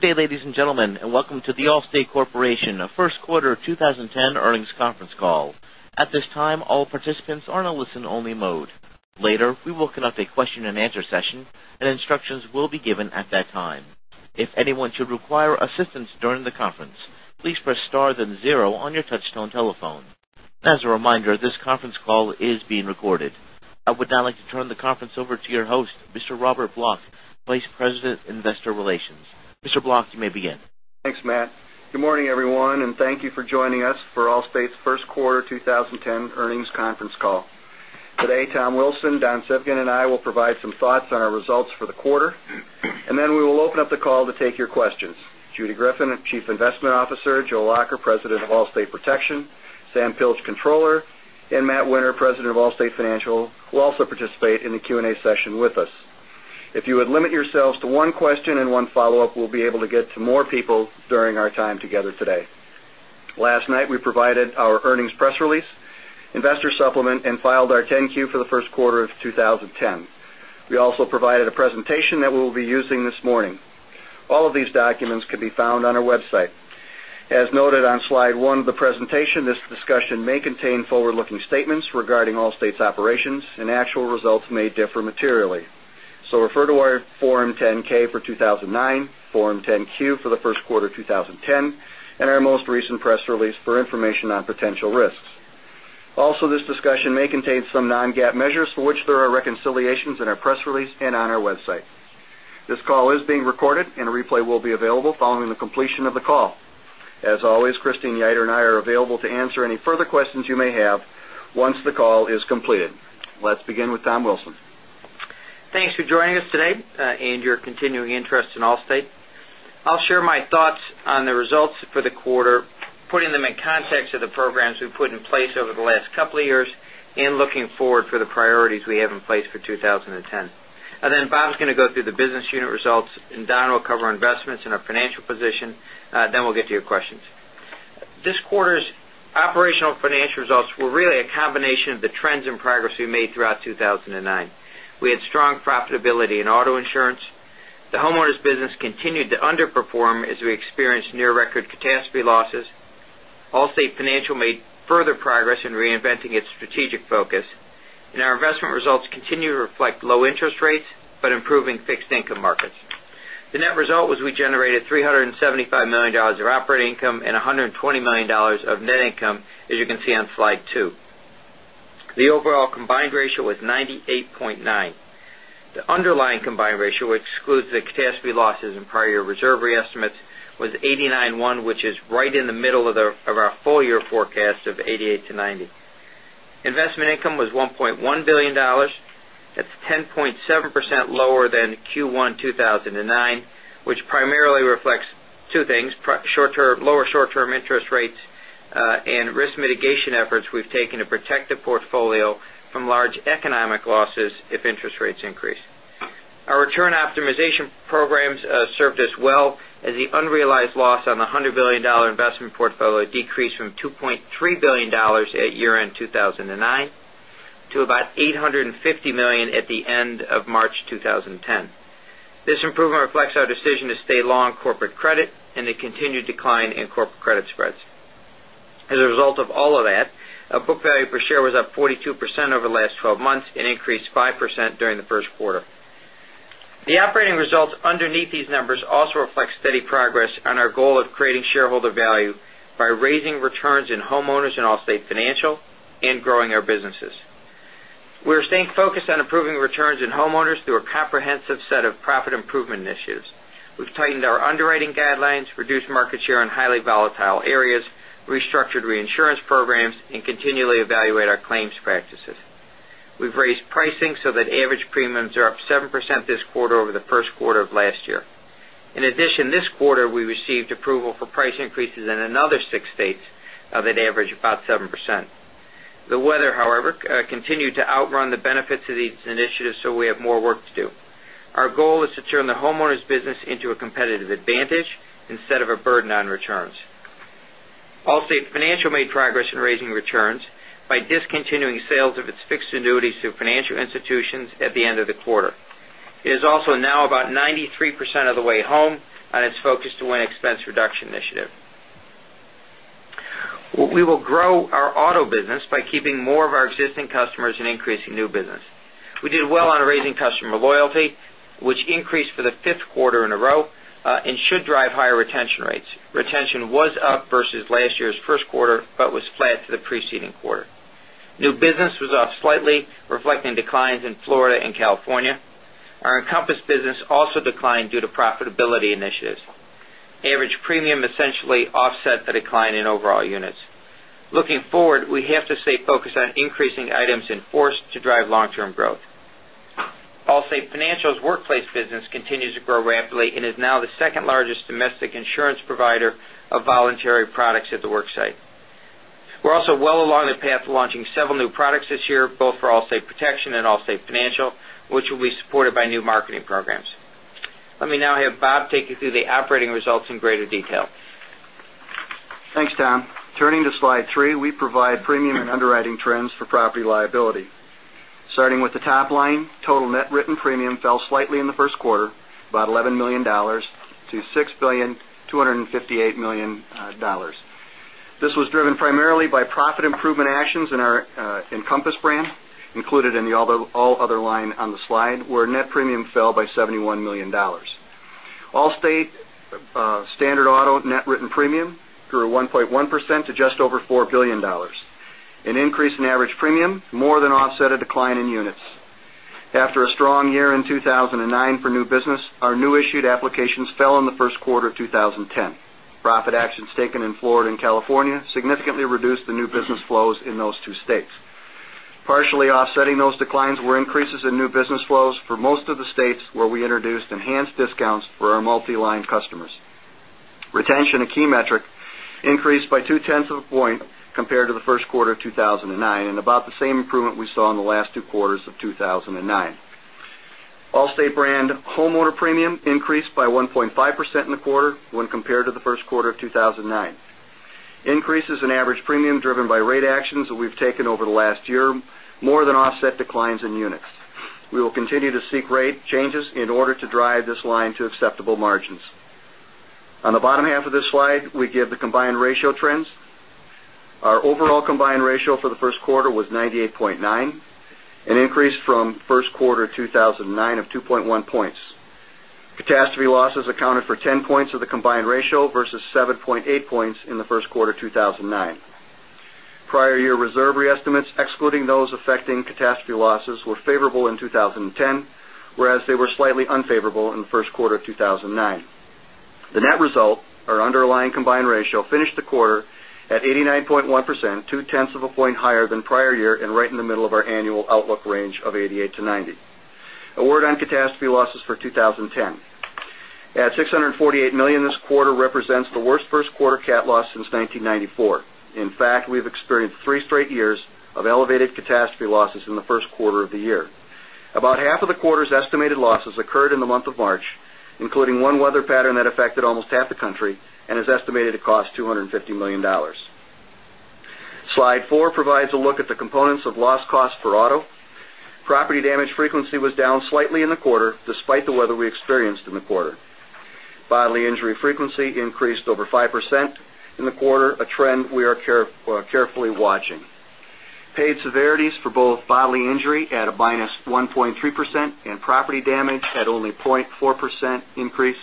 Good day, ladies and gentlemen, and welcome to The Allstate Corporation First Quarter 2010 Earnings Conference Call. At this time, all participants are in a listen-only mode. Later, we will conduct a question-and-answer session, and instructions will be given at that time. If anyone should require assistance during the conference, please press star then zero on your touch-tone telephone. As a reminder, this conference call is being recorded. I would now like to turn the conference over to your host, Mr. Robert Block, Vice President, Investor Relations. Mr. Block, you may begin. Thanks, Matt. Good morning, everyone, thank you for joining us for Allstate's First Quarter 2010 Earnings Conference Call. Today, Tom Wilson, Don Civgin, and I will provide some thoughts on our results for the quarter. Then we will open up the call to take your questions. Judy Greffin, Chief Investment Officer, Joe Lacher, President of Allstate Protection, Sam Pilch, Controller, and Matt Winter, President of Allstate Financial, will also participate in the Q&A session with us. If you would limit yourselves to one question and one follow-up, we'll be able to get to more people during our time together today. Last night we provided our earnings press release, investor supplement, and filed our 10-Q for the first quarter of 2010. We also provided a presentation that we'll be using this morning. All of these documents can be found on our website. As noted on slide one of the presentation, this discussion may contain forward-looking statements regarding Allstate's operations. Actual results may differ materially. Refer to our Form 10-K for 2009, Form 10-Q for the first quarter 2010, and our most recent press release for information on potential risks. Also, this discussion may contain some non-GAAP measures for which there are reconciliations in our press release and on our website. This call is being recorded. A replay will be available following the completion of the call. As always, Christine Yoder and I are available to answer any further questions you may have once the call is completed. Let's begin with Tom Wilson. Thanks for joining us today and your continuing interest in Allstate. I'll share my thoughts on the results for the quarter, putting them in context of the programs we've put in place over the last couple of years and looking forward for the priorities we have in place for 2010. Bob's going to go through the business unit results. Don will cover investments and our financial position. We'll get to your questions. This quarter's operational financial results were really a combination of the trends and progress we made throughout 2009. We had strong profitability in auto insurance. The homeowners business continued to underperform as we experienced near record catastrophe losses. Allstate Financial made further progress in reinventing its strategic focus. Our investment results continue to reflect low interest rates but improving fixed income markets. The net result was we generated $375 million of operating income and $120 million of net income, as you can see on slide two. The overall combined ratio was 98.9. The underlying combined ratio, which excludes the catastrophe losses and prior year reserve re-estimates, was 89.1, which is right in the middle of our full year forecast of 88-90. Investment income was $1.1 billion. That's 10.7% lower than Q1 2009, which primarily reflects two things, lower short-term interest rates and risk mitigation efforts we've taken to protect the portfolio from large economic losses if interest rates increase. Our return optimization programs served us well, as the unrealized loss on the $100 billion investment portfolio decreased from $2.3 billion at year-end 2009 to about $850 million at the end of March 2010. This improvement reflects our decision to stay long corporate credit and a continued decline in corporate credit spreads. As a result of all of that, our book value per share was up 42% over the last 12 months and increased 5% during the first quarter. The operating results underneath these numbers also reflect steady progress on our goal of creating shareholder value by raising returns in homeowners and Allstate Financial and growing our businesses. We are staying focused on improving returns in homeowners through a comprehensive set of profit improvement initiatives. We've tightened our underwriting guidelines, reduced market share in highly volatile areas, restructured reinsurance programs, and continually evaluate our claims practices. We've raised pricing so that average premiums are up 7% this quarter over the first quarter of last year. In addition, this quarter we received approval for price increases in another six states of an average about 7%. The weather, however, continued to outrun the benefits of these initiatives. We have more work to do. Our goal is to turn the homeowners business into a competitive advantage instead of a burden on returns. Allstate Financial made progress in raising returns by discontinuing sales of its fixed annuities through financial institutions at the end of the quarter. It is also now about 93% of the way home on its Focus to Win expense reduction initiative. We will grow our auto business by keeping more of our existing customers and increasing new business. We did well on raising customer loyalty, which increased for the fifth quarter in a row and should drive higher retention rates. Retention was up versus last year's first quarter but was flat to the preceding quarter. New business was up slightly, reflecting declines in Florida and California. Our Encompass business also declined due to profitability initiatives. Average premium essentially offset the decline in overall units. Looking forward, we have to stay focused on increasing items in force to drive long-term growth. Allstate Financial's workplace business continues to grow rapidly and is now the second largest domestic insurance provider of voluntary products at the work site. We're also well along the path to launching several new products this year, both for Allstate Protection and Allstate Financial, which will be supported by new marketing programs. Let me now have Bob take you through the operating results in greater detail. Thanks, Tom. Turning to slide three, we provide premium and underwriting trends for property liability. Starting with the top line, total net written premium fell slightly in the first quarter, about $11 million to $6,258,000,000. This was driven primarily by profit improvement actions in our Encompass brand, included in the all other line on the slide, where net premium fell by $71 million. Allstate standard auto net written premium grew 1.1% to just over $4 billion. An increase in average premium more than offset a decline in units. After a strong year in 2009 for new business, our new issued applications fell in the first quarter of 2010. Profit actions taken in Florida and California significantly reduced the new business flows in those two states. Partially offsetting those declines were increases in new business flows for most of the states where we introduced enhanced discounts for our multi-line customers. Retention, a key metric, increased by two-tenths of a point compared to the first quarter of 2009, and about the same improvement we saw in the last two quarters of 2009. Allstate brand homeowner premium increased by 1.5% in the quarter when compared to the first quarter of 2009. Increases in average premium driven by rate actions that we've taken over the last year more than offset declines in units. We will continue to seek rate changes in order to drive this line to acceptable margins. On the bottom half of this slide, we give the combined ratio trends. Our overall combined ratio for the first quarter was 98.9, an increase from first quarter 2009 of 2.1 points. Catastrophe losses accounted for 10 points of the combined ratio versus 7.8 points in the first quarter of 2009. Prior year reserve re-estimates, excluding those affecting catastrophe losses, were favorable in 2010, whereas they were slightly unfavorable in the first quarter of 2009. The net result, our underlying combined ratio finished the quarter at 89.1%, two-tenths of a point higher than prior year and right in the middle of our annual outlook range of 88-90. A word on catastrophe losses for 2010. At $648 million this quarter represents the worst first quarter cat loss since 1994. In fact, we've experienced three straight years of elevated catastrophe losses in the first quarter of the year. About half of the quarter's estimated losses occurred in the month of March, including one weather pattern that affected almost half the country and is estimated to cost $250 million. Slide four provides a look at the components of loss cost for auto. Property damage frequency was down slightly in the quarter, despite the weather we experienced in the quarter. Bodily injury frequency increased over 5% in the quarter, a trend we are carefully watching. Paid severities for both bodily injury at -1.3% and property damage at only 0.4% increase,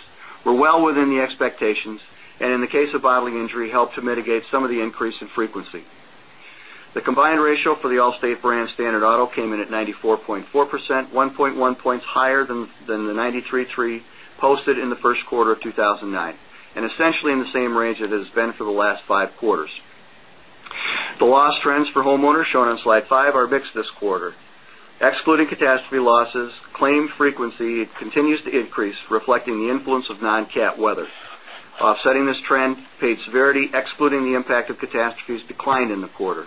were well within the expectations, and in the case of bodily injury, helped to mitigate some of the increase in frequency. The combined ratio for the Allstate brand standard auto came in at 94.4%, 1.1 points higher than the 93.3 posted in the first quarter of 2009, and essentially in the same range it has been for the last five quarters. The loss trends for homeowners shown on slide five are mixed this quarter. Excluding catastrophe losses, claim frequency continues to increase, reflecting the influence of non-cat weather. Offsetting this trend, paid severity, excluding the impact of catastrophes, declined in the quarter.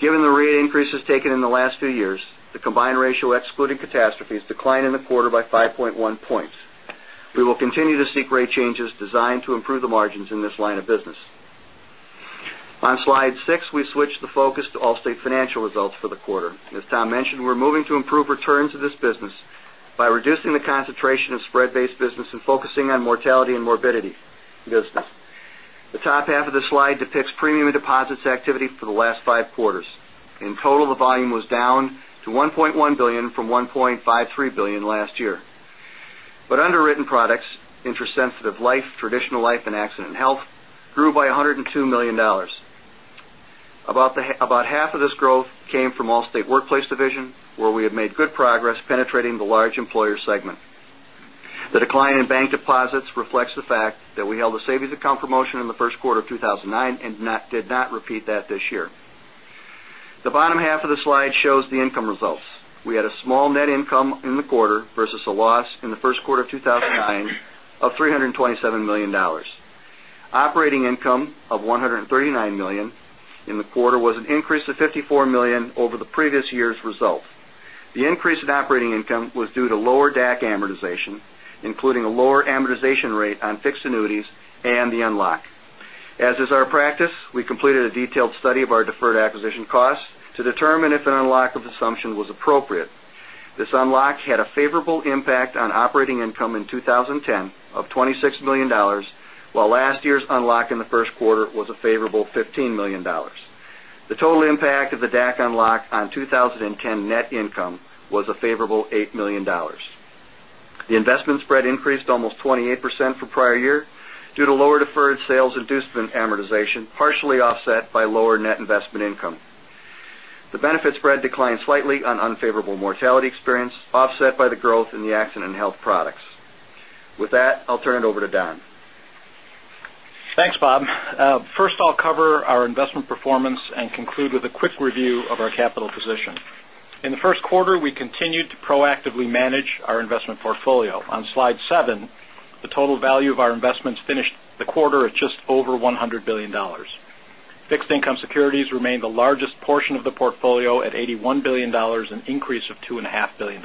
Given the rate increases taken in the last few years, the combined ratio excluding catastrophes declined in the quarter by 5.1 points. We will continue to seek rate changes designed to improve the margins in this line of business. On slide seven, we switch the focus to Allstate Financial results for the quarter. As Tom mentioned, we are moving to improve returns of this business by reducing the concentration of spread-based business and focusing on mortality and morbidity business. The top half of this slide depicts premium and deposits activity for the last five quarters. In total, the volume was down to $1.1 billion from $1.53 billion last year. Underwritten products, interest sensitive life, traditional life, and accident health, grew by $102 million. About half of this growth came from Allstate Workplace Division, where we have made good progress penetrating the large employer segment. The decline in bank deposits reflects the fact that we held a savings account promotion in the first quarter of 2009, and did not repeat that this year. The bottom half of the slide shows the income results. We had a small net income in the quarter versus a loss in the first quarter of 2009 of $327 million. Operating income of $139 million in the quarter was an increase of $54 million over the previous year's result. The increase in operating income was due to lower DAC amortization, including a lower amortization rate on fixed annuities and the unlock. As is our practice, we completed a detailed study of our deferred acquisition costs to determine if an unlock of assumption was appropriate. This unlock had a favorable impact on operating income in 2010 of $26 million, while last year's unlock in the first quarter was a favorable $15 million. The total impact of the DAC unlock on 2010 net income was a favorable $8 million. The investment spread increased almost 28% for prior year due to lower deferred sales inducement amortization, partially offset by lower net investment income. The benefit spread declined slightly on unfavorable mortality experience, offset by the growth in the accident and health products. With that, I'll turn it over to Don. Thanks, Bob. First, I'll cover our investment performance and conclude with a quick review of our capital position. On slide seven, the total value of our investments finished the quarter at just over $100 billion. Fixed income securities remain the largest portion of the portfolio at $81 billion, an increase of $2.5 billion.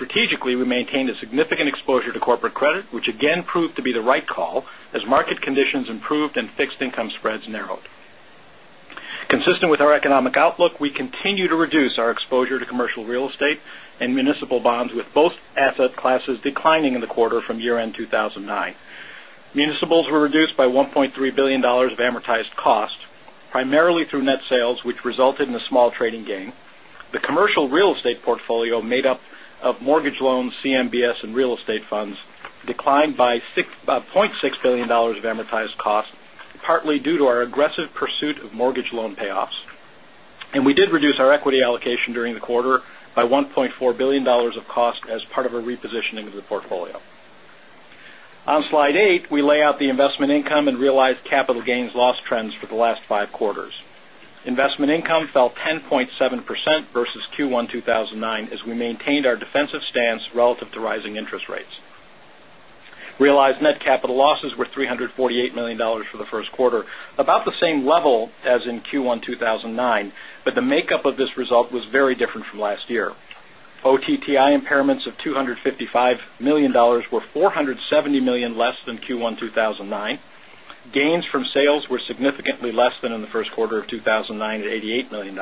Strategically, we maintained a significant exposure to corporate credit, which again proved to be the right call as market conditions improved and fixed income spreads narrowed. Consistent with our economic outlook, we continue to reduce our exposure to commercial real estate and municipal bonds, with both asset classes declining in the quarter from year-end 2009. Municipals were reduced by $1.3 billion of amortized cost, primarily through net sales, which resulted in a small trading gain. The commercial real estate portfolio, made up of mortgage loans, CMBS, and real estate funds, declined by $0.6 billion of amortized cost, partly due to our aggressive pursuit of mortgage loan payoffs. We did reduce our equity allocation during the quarter by $1.4 billion of cost as part of a repositioning of the portfolio. On slide eight, we lay out the investment income and realized capital gains loss trends for the last five quarters. Investment income fell 10.7% versus Q1 2009 as we maintained our defensive stance relative to rising interest rates. Realized net capital losses were $348 million for the first quarter, about the same level as in Q1 2009, but the makeup of this result was very different from last year. OTTI impairments of $255 million were $470 million less than Q1 2009. Gains from sales were significantly less than in the first quarter of 2009 at $88 million.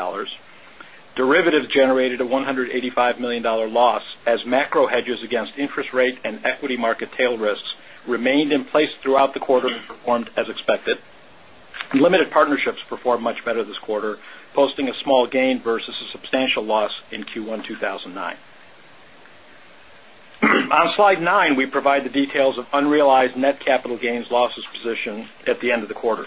Derivatives generated a $185 million loss as macro hedges against interest rate and equity market tail risks remained in place throughout the quarter and performed as expected. Limited partnerships performed much better this quarter, posting a small gain versus a substantial loss in Q1 2009. On slide nine, we provide the details of unrealized net capital gains losses position at the end of the quarter.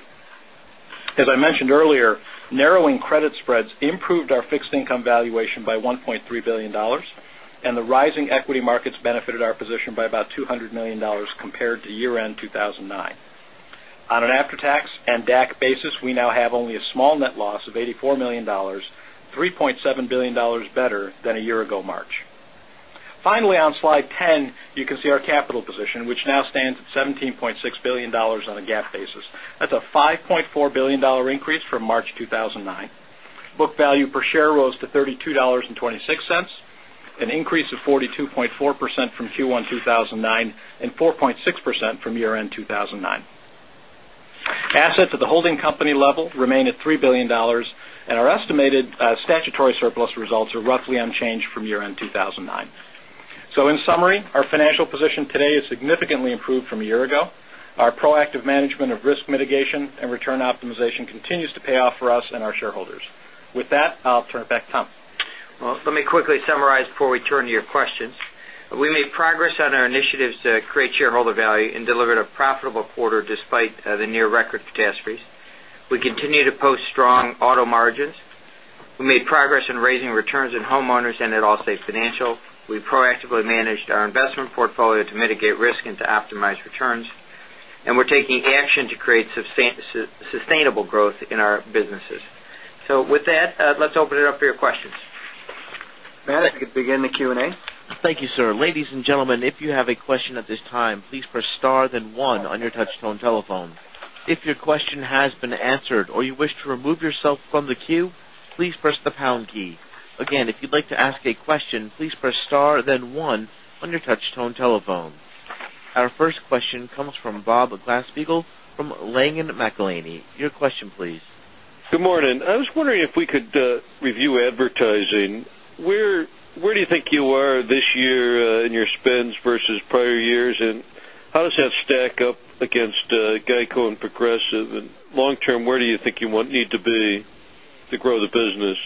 As I mentioned earlier, narrowing credit spreads improved our fixed income valuation by $1.3 billion, and the rising equity markets benefited our position by about $200 million compared to year-end 2009. On an after-tax and DAC basis, we now have only a small net loss of $84 million, $3.7 billion better than a year ago March. Finally, on slide 10, you can see our capital position, which now stands at $17.6 billion on a GAAP basis. That's a $5.4 billion increase from March 2009. Book value per share rose to $32.26, an increase of 42.4% from Q1 2009 and 4.6% from year-end 2009. Assets at the holding company level remain at $3 billion, and our estimated statutory surplus results are roughly unchanged from year-end 2009. In summary, our financial position today is significantly improved from a year ago. Our proactive management of risk mitigation and return optimization continues to pay off for us and our shareholders. With that, I'll turn it back to Tom. Well, let me quickly summarize before we turn to your questions. We made progress on our initiatives to create shareholder value and delivered a profitable quarter despite the near record catastrophe. We continue to post strong auto margins. We made progress in raising returns in Homeowners and at Allstate Financial. We proactively managed our investment portfolio to mitigate risk and to optimize returns. We're taking action to create sustainable growth in our businesses. With that, let's open it up for your questions. Matt, you can begin the Q&A. Thank you, sir. Ladies and gentlemen, if you have a question at this time, please press star then one on your touchtone telephone. If your question has been answered or you wish to remove yourself from the queue, please press the pound key. Again, if you'd like to ask a question, please press star then one on your touchtone telephone. Our first question comes from Bob Glasspiegel from Langen McAlenney. Your question please. Good morning. I was wondering if we could review advertising. Where do you think you are this year in your spends versus prior years, and how does that stack up against GEICO and Progressive? Long term, where do you think you want need to be to grow the business?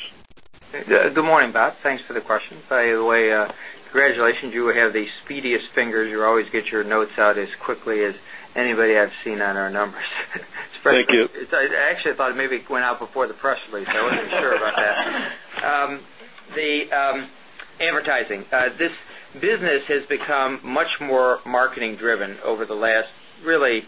Good morning, Bob. Thanks for the question. By the way, congratulations. You have the speediest fingers. You always get your notes out as quickly as anybody I've seen on our numbers. Thank you. I actually thought maybe it went out before the press release. I wasn't sure about that. Advertising. This business has become much more marketing driven over the last really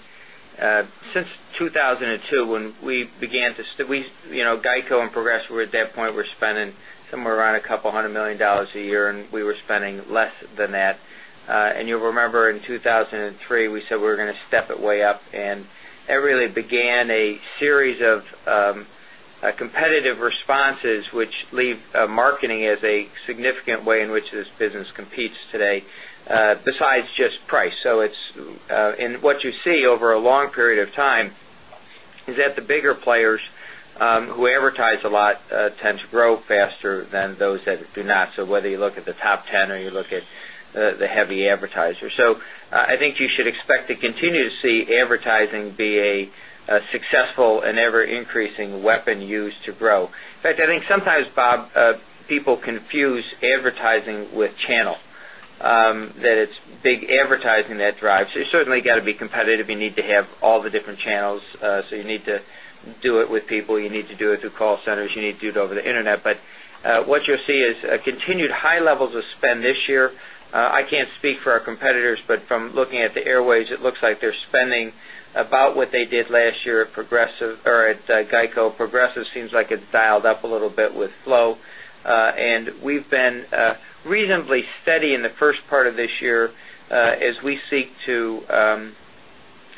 since 2002 when we began GEICO and Progressive were, at that point, were spending somewhere around $200 million a year, and we were spending less than that. You'll remember in 2003, we said we were going to step it way up, and that really began a series of competitive responses which leave marketing as a significant way in which this business competes today besides just price. What you see over a long period of time is that the bigger players who advertise a lot tend to grow faster than those that do not. Whether you look at the top 10 or you look at the heavy advertisers. I think you should expect to continue to see advertising be a successful and ever-increasing weapon used to grow. In fact, I think sometimes, Bob, people confuse advertising with channel, that it's big advertising that drives. You certainly got to be competitive. You need to have all the different channels. You need to do it with people. You need to do it through call centers. You need to do it over the internet. What you'll see is continued high levels of spend this year. I can't speak for our competitors, but from looking at the airwaves, it looks like they're spending about what they did last year at GEICO. Progressive seems like it's dialed up a little bit with Flo. We've been reasonably steady in the first part of this year as we seek to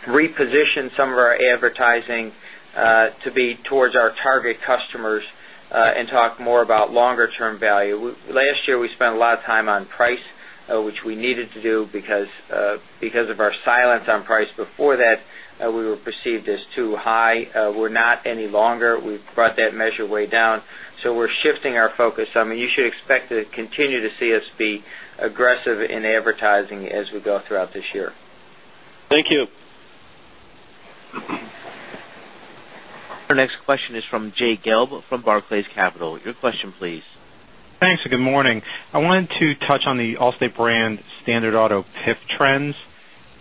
reposition some of our advertising to be towards our target customers and talk more about longer-term value. Last year, we spent a lot of time on price, which we needed to do because of our silence on price before that, we were perceived as too high. We're not any longer. We've brought that measure way down. We're shifting our focus. You should expect to continue to see us be aggressive in advertising as we go throughout this year. Thank you. Our next question is from Jay Gelb from Barclays Capital. Your question please. Thanks. Good morning. I wanted to touch on the Allstate brand standard auto PIF trends.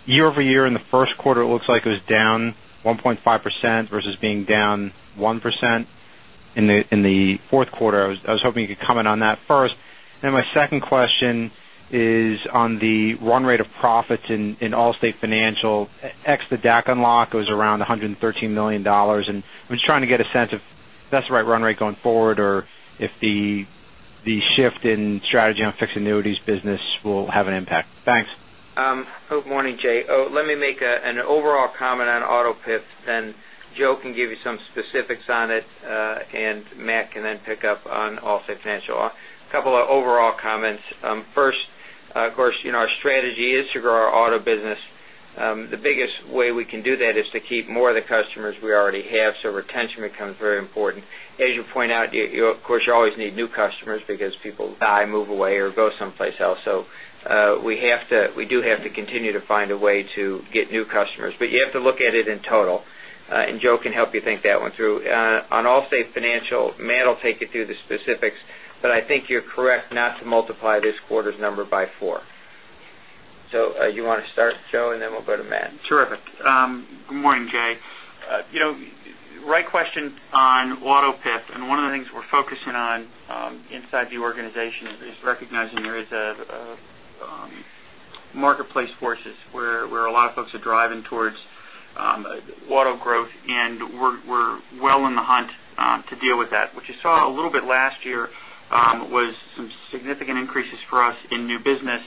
Year-over-year in the first quarter, it looks like it was down 1.5% versus being down 1% in the fourth quarter. I was hoping you could comment on that first. My second question is on the run rate of profits in Allstate Financial, ex the DAC unlock was around $113 million, and I'm just trying to get a sense of if that's the right run rate going forward or if the shift in strategy on fixed annuities business will have an impact. Thanks. Good morning, Jay. Let me make an overall comment on auto PIF, Joe can give you some specifics on it, and Matt can then pick up on Allstate Financial. A couple of overall comments. First, of course, our strategy is to grow our auto business. The biggest way we can do that is to keep more of the customers we already have, so retention becomes very important. As you point out, of course, you always need new customers because people die, move away, or go someplace else. We do have to continue to find a way to get new customers, but you have to look at it in total. Joe can help you think that one through. On Allstate Financial, Matt will take you through the specifics, but I think you're correct not to multiply this quarter's number by four. You want to start, Joe, and then we'll go to Matt. Terrific. Good morning, Jay. Right question on auto PIF. One of the things we're focusing on inside the organization is recognizing there is marketplace forces where a lot of folks are driving towards auto growth. We're well in the hunt to deal with that. What you saw a little bit last year was some significant increases for us in new business.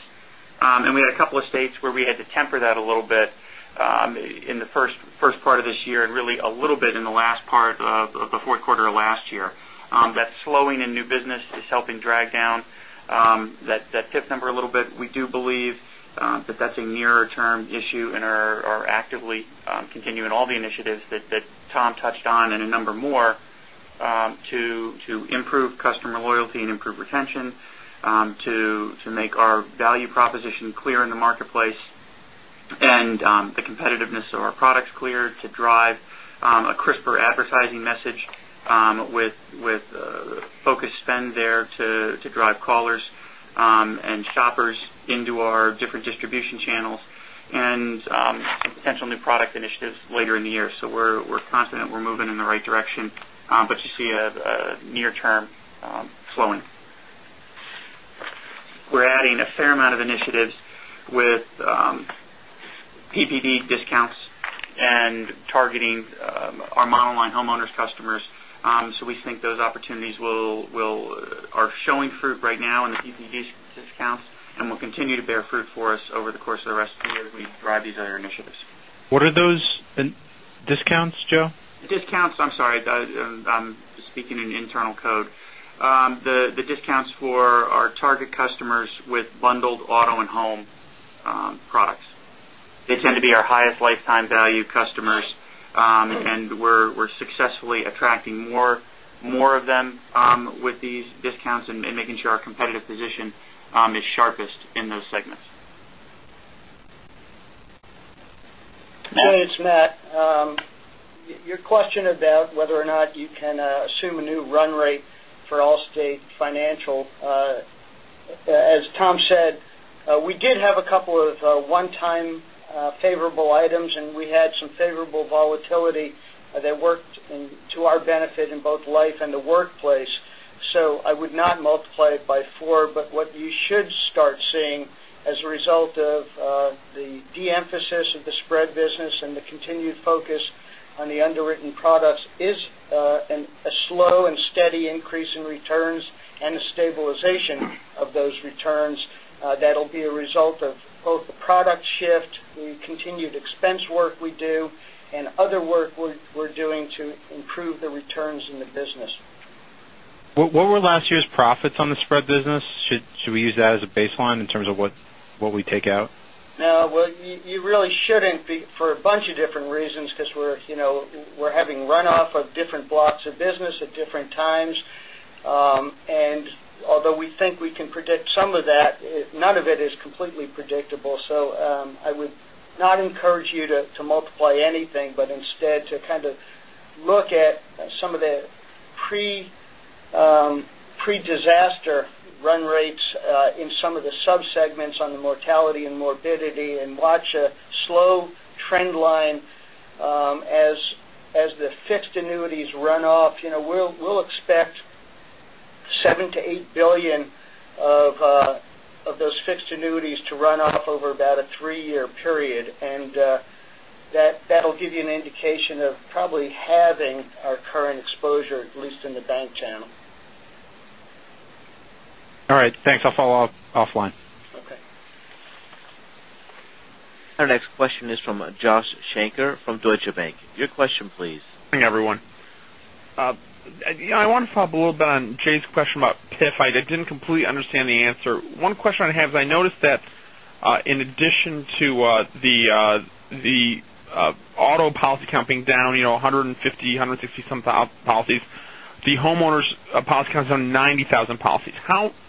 We had a couple of states where we had to temper that a little bit in the first part of this year, really a little bit in the last part of the fourth quarter of last year. That slowing in new business is helping drag down that PIF number a little bit. We do believe that that's a nearer term issue. Are actively continuing all the initiatives that Tom touched on a number more to improve customer loyalty, improve retention to make our value proposition clear in the marketplace, the competitiveness of our products clear to drive a crisper advertising message with focused spend there to drive callers and shoppers into our different distribution channels, potential new product initiatives later in the year. We're confident we're moving in the right direction, but you see a near term slowing. We're adding a fair amount of initiatives with PPD discounts and targeting our monoline homeowners customers. We think those opportunities are showing fruit right now in the PPD discounts and will continue to bear fruit for us over the course of the rest of the year as we drive these other initiatives. What are those discounts, Joe? The discounts, I'm sorry. I'm speaking in internal code. The discounts for our target customers with bundled auto and home products. They tend to be our highest lifetime value customers, and we're successfully attracting more of them with these discounts and making sure our competitive position is sharpest in those segments. Matt. Hey, it's Matt. Your question about whether or not you can assume a new run rate for Allstate Financial. As Tom said, we did have a couple of one-time favorable items, and we had some favorable volatility that worked to our benefit in both life and the workplace. I would not multiply it by four, but what you should start seeing as a result of the de-emphasis of the spread business and the continued focus on the underwritten products is a slow and steady increase in returns and a stabilization of those returns that'll be a result of both the product shift, the continued expense work we do, and other work we're doing to improve the returns in the business. What were last year's profits on the spread business? Should we use that as a baseline in terms of what we take out? No, well, you really shouldn't be for a bunch of different reasons because we're having runoff of different blocks of business at different times. Although we think we can predict some of that, none of it is completely predictable. I would not encourage you to multiply anything, but instead to kind of look at some of the pre-disaster run rates in some of the subsegments on the mortality and morbidity and watch a slow trend line as the fixed annuities run off. We'll expect $7 billion-$8 billion of those fixed annuities to run off over about a three-year period, and that'll give you an indication of probably halving our current exposure, at least in the bank channel. All right, thanks. I'll follow up offline. Okay. Our next question is from Joshua Shanker from Deutsche Bank. Your question, please. Good morning, everyone. I didn't completely understand the answer. One question I have is I noticed that in addition to the auto policy count being down 150, 160 some policies, the homeowners policy count is down 90,000 policies.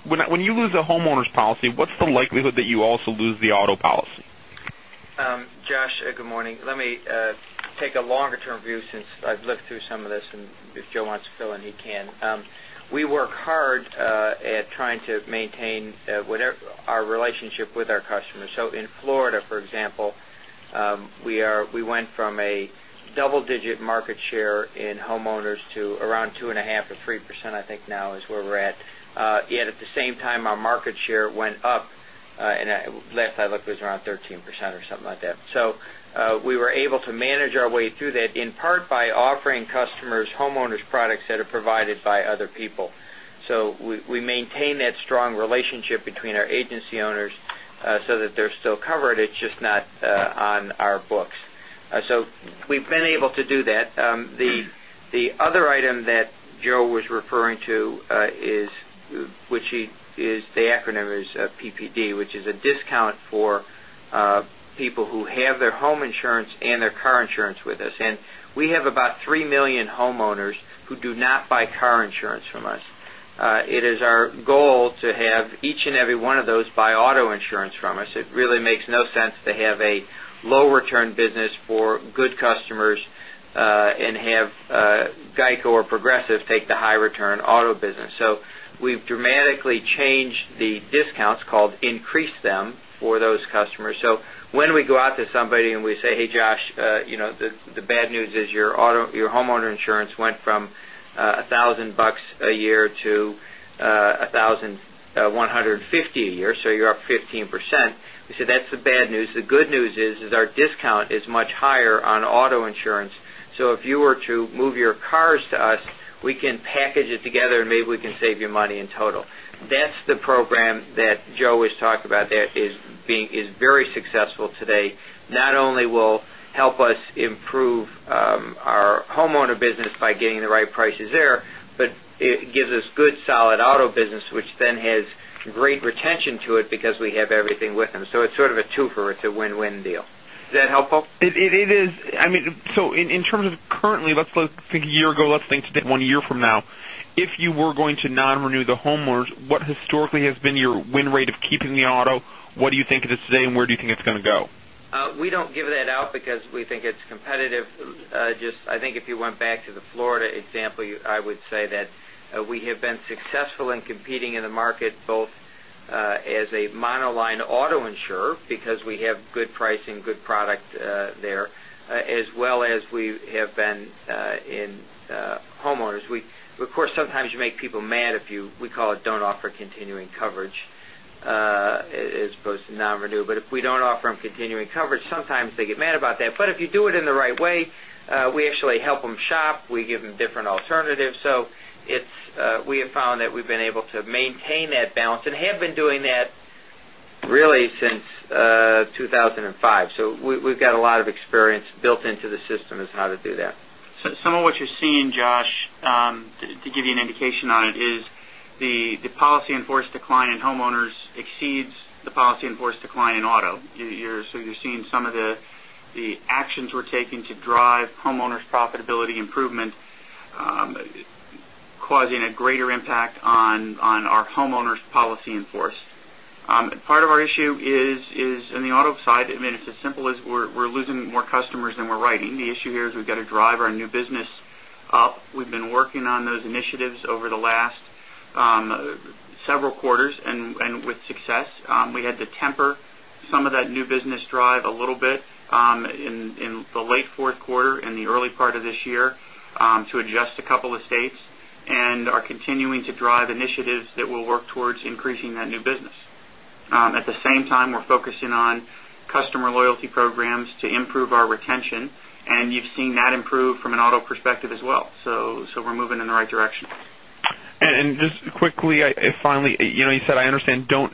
When you lose a homeowners policy, what's the likelihood that you also lose the auto policy? Josh, good morning. Let me take a longer-term view since I've looked through some of this, and if Joe wants to fill in, he can. We work hard at trying to maintain our relationship with our customers. In Florida, for example, we went from a double-digit market share in homeowners to around 2.5% or 3%, I think now is where we're at. Yet at the same time, our market share went up, and last I looked, it was around 13% or something like that. We were able to manage our way through that, in part by offering customers homeowners products that are provided by other people. We maintain that strong relationship between our agency owners so that they're still covered, it's just not on our books. We've been able to do that. The other item that Joe was referring to, the acronym is PPD, which is a discount for people who have their home insurance and their car insurance with us. We have about 3 million homeowners who do not buy car insurance from us. It is our goal to have each and every one of those buy auto insurance from us. It really makes no sense to have a low return business for good customers and have GEICO or Progressive take the high return auto business. We've dramatically changed the discounts, called increase them, for those customers. When we go out to somebody and we say, "Hey, Josh the bad news is your homeowner insurance went from $1,000 a year to $1,150 a year, so you're up 15%." We say, "That's the bad news. The good news is our discount is much higher on auto insurance. If you were to move your cars to us, we can package it together and maybe we can save you money in total." That's the program that Joe has talked about that is very successful today. Not only will help us improve our homeowner business by getting the right prices there, but it gives us good, solid auto business, which then has great retention to it because we have everything with them. It's sort of a two-fer. It's a win-win deal. Is that helpful? It is. In terms of currently, let's think a year ago, let's think one year from now. If you were going to non-renew the homeowners, what historically has been your win rate of keeping the auto? What do you think it is today, and where do you think it's going to go? We don't give that out because we think it's competitive. I think if you went back to the Florida example, I would say that we have been successful in competing in the market both as a monoline auto insurer because we have good pricing, good product there, as well as we have been in homeowners. Of course, sometimes you make people mad if you, we call it don't offer continuing coverage as opposed to non-renew. If we don't offer them continuing coverage, sometimes they get mad about that. If you do it in the right way, we actually help them shop. We give them different alternatives. We have found that we've been able to maintain that balance and have been doing that really since 2005. We've got a lot of experience built into the system as how to do that. Some of what you're seeing, Josh, to give you an indication on it, is the policy in force decline in homeowners exceeds the policy in force decline in auto. You're seeing some of the actions we're taking to drive homeowners profitability improvement causing a greater impact on our homeowners policy in force. Part of our issue is in the auto side, it's as simple as we're losing more customers than we're writing. The issue here is we've got to drive our new business up. We've been working on those initiatives over the last several quarters and with success. We had to temper some of that new business drive a little bit in the late fourth quarter and the early part of this year to adjust a couple of states, and are continuing to drive initiatives that will work towards increasing that new business. At the same time, we're focusing on customer loyalty programs to improve our retention. You've seen that improve from an auto perspective as well. We're moving in the right direction. Just quickly, finally, you said I understand don't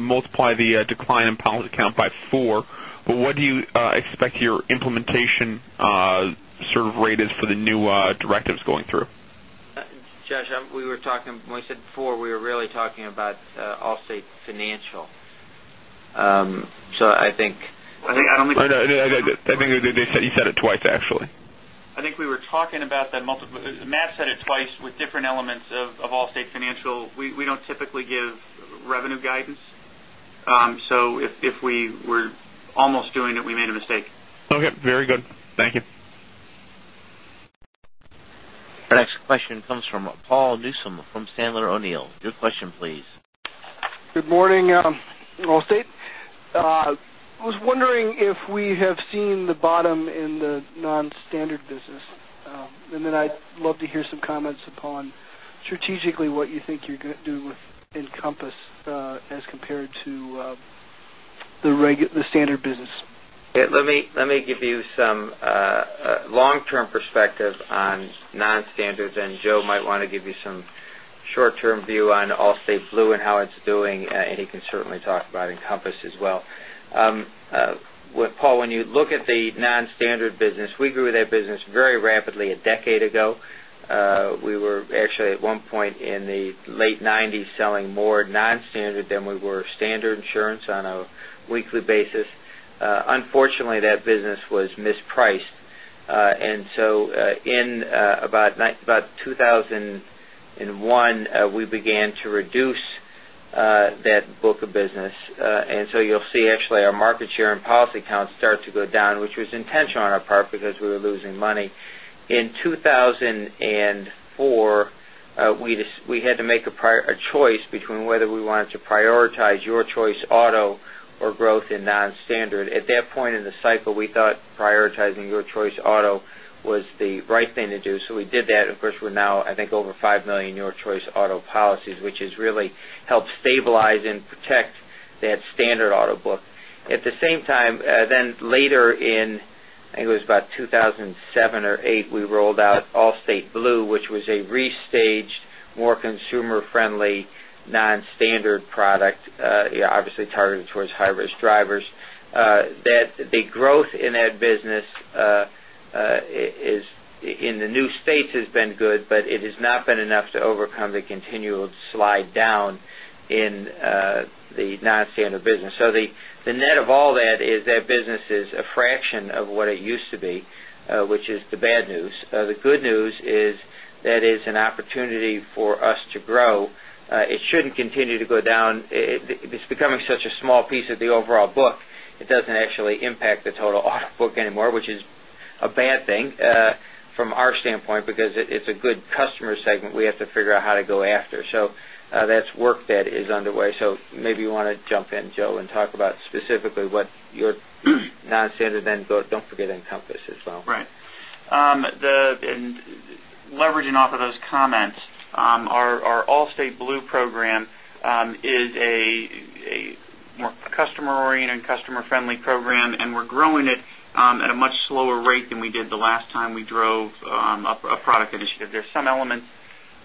multiply the decline in policy count by four, but what do you expect your implementation rate is for the new directives going through? Josh, when we said before, we were really talking about Allstate Financial. I think you said it twice, actually. I think we were talking about that multiple. Matt said it twice with different elements of Allstate Financial. We don't typically give revenue guidance. If we were almost doing it, we made a mistake. Okay, very good. Thank you. Our next question comes from Paul Newsome from Sandler O'Neill. Your question, please. Good morning, Allstate. I was wondering if we have seen the bottom in the non-standard business. I'd love to hear some comments upon strategically what you think you're going to do with Encompass as compared to the standard business. Let me give you some long-term perspective on non-standards, Joe might want to give you some short-term view on Allstate Blue and how it's doing, he can certainly talk about Encompass as well. Paul, when you look at the non-standard business, we grew that business very rapidly a decade ago. We were actually at one point in the late 90s selling more non-standard than we were standard insurance on a weekly basis. Unfortunately, that business was mispriced. In about 2001, we began to reduce that book of business. You'll see actually our market share and policy counts start to go down, which was intentional on our part because we were losing money. In 2004, we had to make a choice between whether we wanted to prioritize Your Choice Auto or growth in non-standard. At that point in the cycle, we thought prioritizing Your Choice Auto was the right thing to do, we did that. Of course, we're now I think over 5 million Your Choice Auto policies, which has really helped stabilize and protect that standard auto book. At the same time, later in, I think it was about 2007 or 2008, we rolled out Allstate Blue, which was a restaged, more consumer-friendly non-standard product, obviously targeted towards high-risk drivers. The growth in that business in the new states has been good, but it has not been enough to overcome the continual slide down in the non-standard business. The net of all that is that business is a fraction of what it used to be, which is the bad news. The good news is that is an opportunity for us to grow. It shouldn't continue to go down. It's becoming such a small piece of the overall book. It doesn't actually impact the total auto book anymore, which is a bad thing from our standpoint because it's a good customer segment we have to figure out how to go after. That's work that is underway. Maybe you want to jump in, Joe, and talk about specifically what your non-standard then, but don't forget Encompass as well. Right. Leveraging off of those comments, our Allstate Blue program is a more customer-oriented, customer-friendly program, we're growing it at a much slower rate than we did the last time we drove a product initiative. There's some elements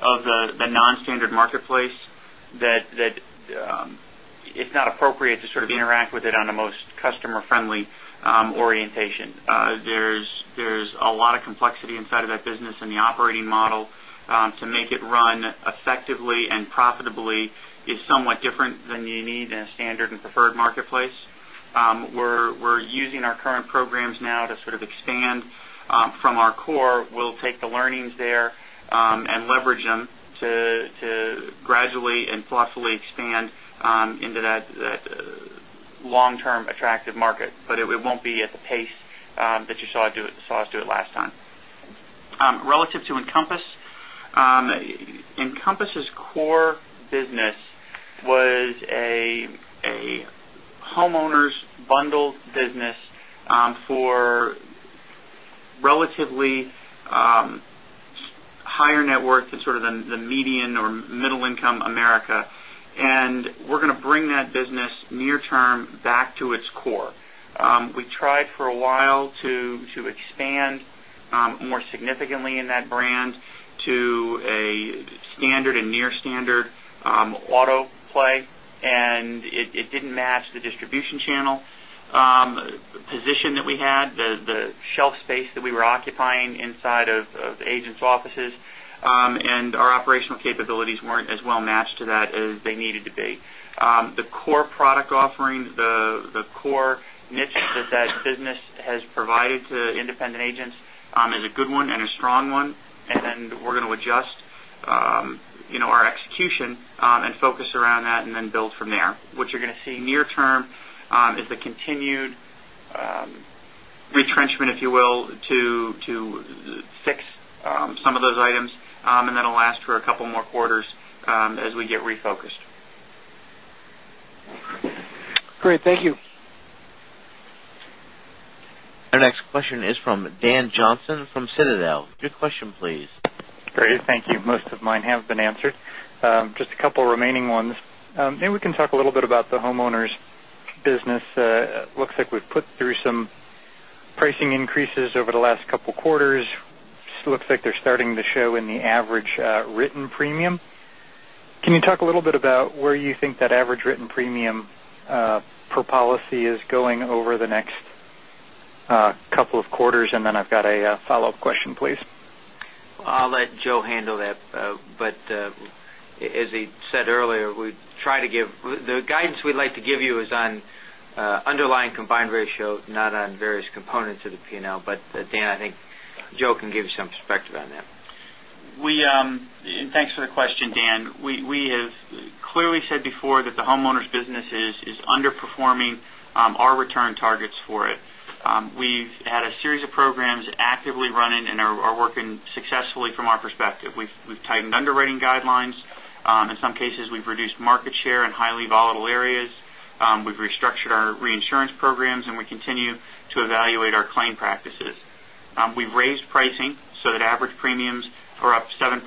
of the non-standard marketplace that it's not appropriate to sort of interact with it on the most customer-friendly orientation. There's a lot of complexity inside of that business and the operating model to make it run effectively and profitably is somewhat different than you need in a standard and preferred marketplace. We're using our current programs now to sort of expand from our core. We'll take the learnings there and leverage them to gradually and thoughtfully expand into that long-term attractive market. It won't be at the pace that you saw us do it last time. Relative to Encompass' core business was a homeowners bundle business for relatively higher net worth than sort of the median or middle income America. We're going to bring that business near term back to its core. We tried for a while to expand more significantly in that brand to a standard and near standard auto play, it didn't match the distribution channel position that we had, the shelf space that we were occupying inside of agents' offices, our operational capabilities weren't as well matched to that as they needed to be. The core product offerings, the core niche that business has provided to independent agents is a good one and a strong one, we're going to adjust our execution and focus around that and then build from there. What you're going to see near term is the continued retrenchment, if you will, to fix some of those items, that'll last for a couple more quarters as we get refocused. Great. Thank you. Our next question is from Dan Johnson from Citadel. Your question, please. Great. Thank you. Most of mine have been answered. Just a couple remaining ones. We can talk a little bit about the homeowners business. Looks like we've put through some pricing increases over the last couple quarters. Looks like they're starting to show in the average written premium. Can you talk a little bit about where you think that average written premium per policy is going over the next couple of quarters? I've got a follow-up question, please. I'll let Joe handle that. As he said earlier, the guidance we'd like to give you is on underlying combined ratio, not on various components of the P&L. Dan, I think Joe can give you some perspective on that. Thanks for the question, Dan. We have clearly said before that the homeowners business is underperforming our return targets for it. We've had a series of programs actively running and are working successfully from our perspective. We've tightened underwriting guidelines. In some cases, we've reduced market share in highly volatile areas. We've restructured our reinsurance programs, we continue to evaluate our claim practices. We've raised pricing so that average premiums are up 7%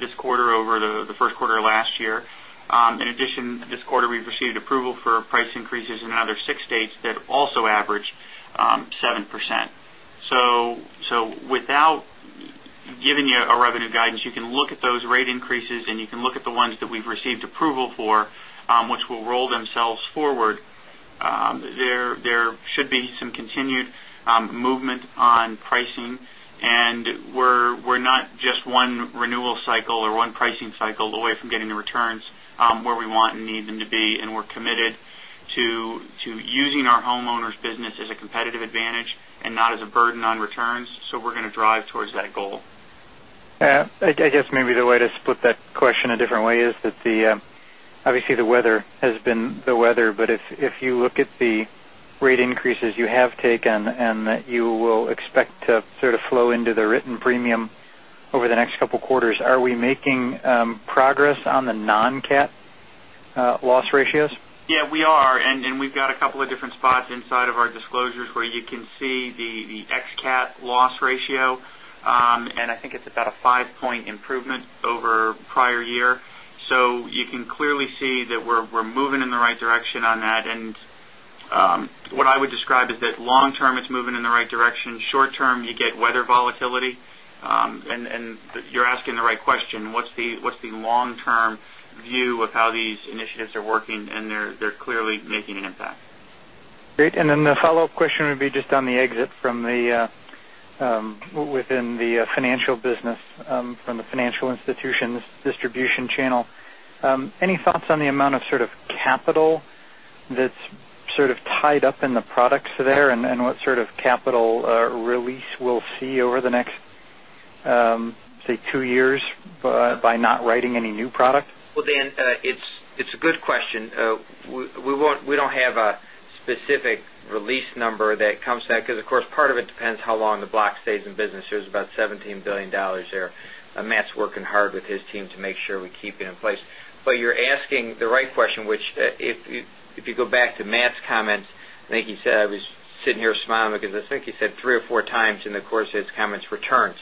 this quarter over the first quarter of last year. In addition, this quarter, we've received approval for price increases in another 6 states that also average 7%. Without giving you a revenue guidance, you can look at those rate increases, you can look at the ones that we've received approval for which will roll themselves forward. There should be some continued movement on pricing, we're not just 1 renewal cycle or 1 pricing cycle away from getting the returns where we want and need them to be. We're committed to using our homeowners business as a competitive advantage and not as a burden on returns. We're going to drive towards that goal. Yeah. I guess maybe the way to split that question a different way is that obviously the weather has been the weather. If you look at the rate increases you have taken and that you will expect to sort of flow into the written premium over the next couple of quarters, are we making progress on the non-CAT loss ratios? Yeah, we are, we've got a couple of different spots inside of our disclosures where you can see the ex-CAT loss ratio. I think it's about a five-point improvement over prior year. You can clearly see that we're moving in the right direction on that. What I would describe is that long term, it's moving in the right direction. Short term, you get weather volatility. You're asking the right question, what's the long-term view of how these initiatives are working? They're clearly making an impact. Great. The follow-up question would be just on the exit within the financial business from the financial institutions distribution channel. Any thoughts on the amount of sort of capital that's sort of tied up in the products there and what sort of capital release we'll see over the next, say, two years by not writing any new product? Well, Dan, it's a good question. We don't have a specific release number that comes back because, of course, part of it depends how long the block stays in business. There's about $17 billion there. Matt's working hard with his team to make sure we keep it in place. You're asking the right question, which if you go back to Matt's comments, I was sitting here smiling because I think he said three or four times in the course of his comments, returns.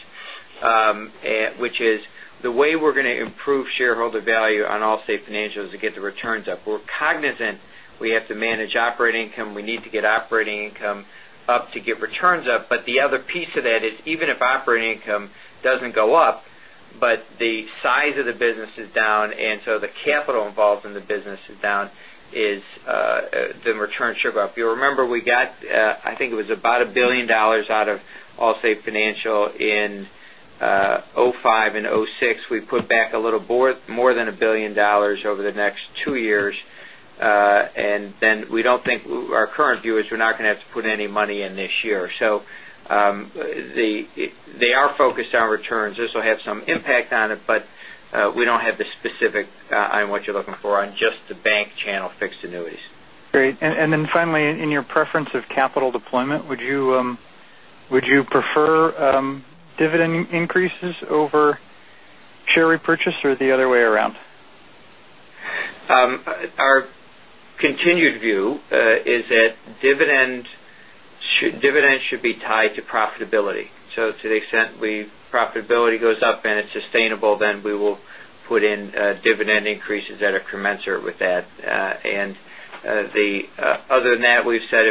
Which is the way we're going to improve shareholder value on Allstate Financial is to get the returns up. We're cognizant we have to manage operating income. We need to get operating income up to get returns up. The other piece of that is even if operating income doesn't go up, but the size of the business is down, the capital involved in the business is down, the returns should go up. You'll remember we got, I think it was about $1 billion out of Allstate Financial in 2005 and 2006. We put back a little more than $1 billion over the next two years. Our current view is we're not going to have to put any money in this year. They are focused on returns. This will have some impact on it, but we don't have the specifics on what you're looking for on just the bank channel fixed annuities. Great. Finally, in your preference of capital deployment, would you prefer dividend increases over share repurchase or the other way around? Our continued view is that dividends should be tied to profitability. To the extent profitability goes up and it's sustainable, we will put in dividend increases that are commensurate with that. Other than that, we've said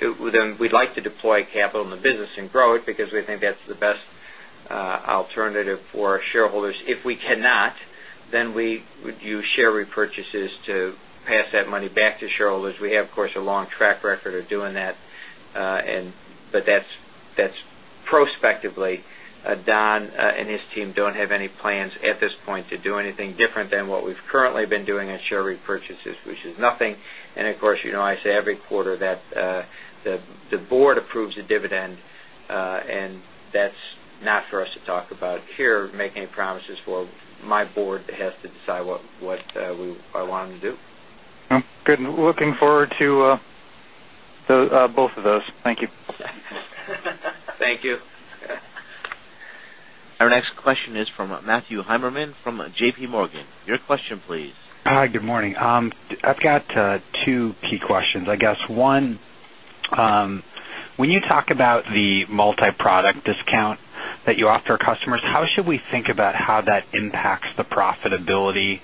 we'd like to deploy capital in the business and grow it because we think that's the best alternative for shareholders. If we cannot, we would use share repurchases to pass that money back to shareholders. We have, of course, a long track record of doing that. That's prospectively. Don and his team don't have any plans at this point to do anything different than what we've currently been doing at share repurchases, which is nothing. Of course, I say every quarter that the board approves the dividend. That's not for us to talk about here, making any promises. Well, my board has to decide what I want them to do. Good. Looking forward to both of those. Thank you. Thank you. Our next question is from Matthew Heimerman from JPMorgan. Your question, please. Hi. Good morning. I've got two key questions. I guess one, when you talk about the multi-product discount that you offer customers, how should we think about how that impacts the profitability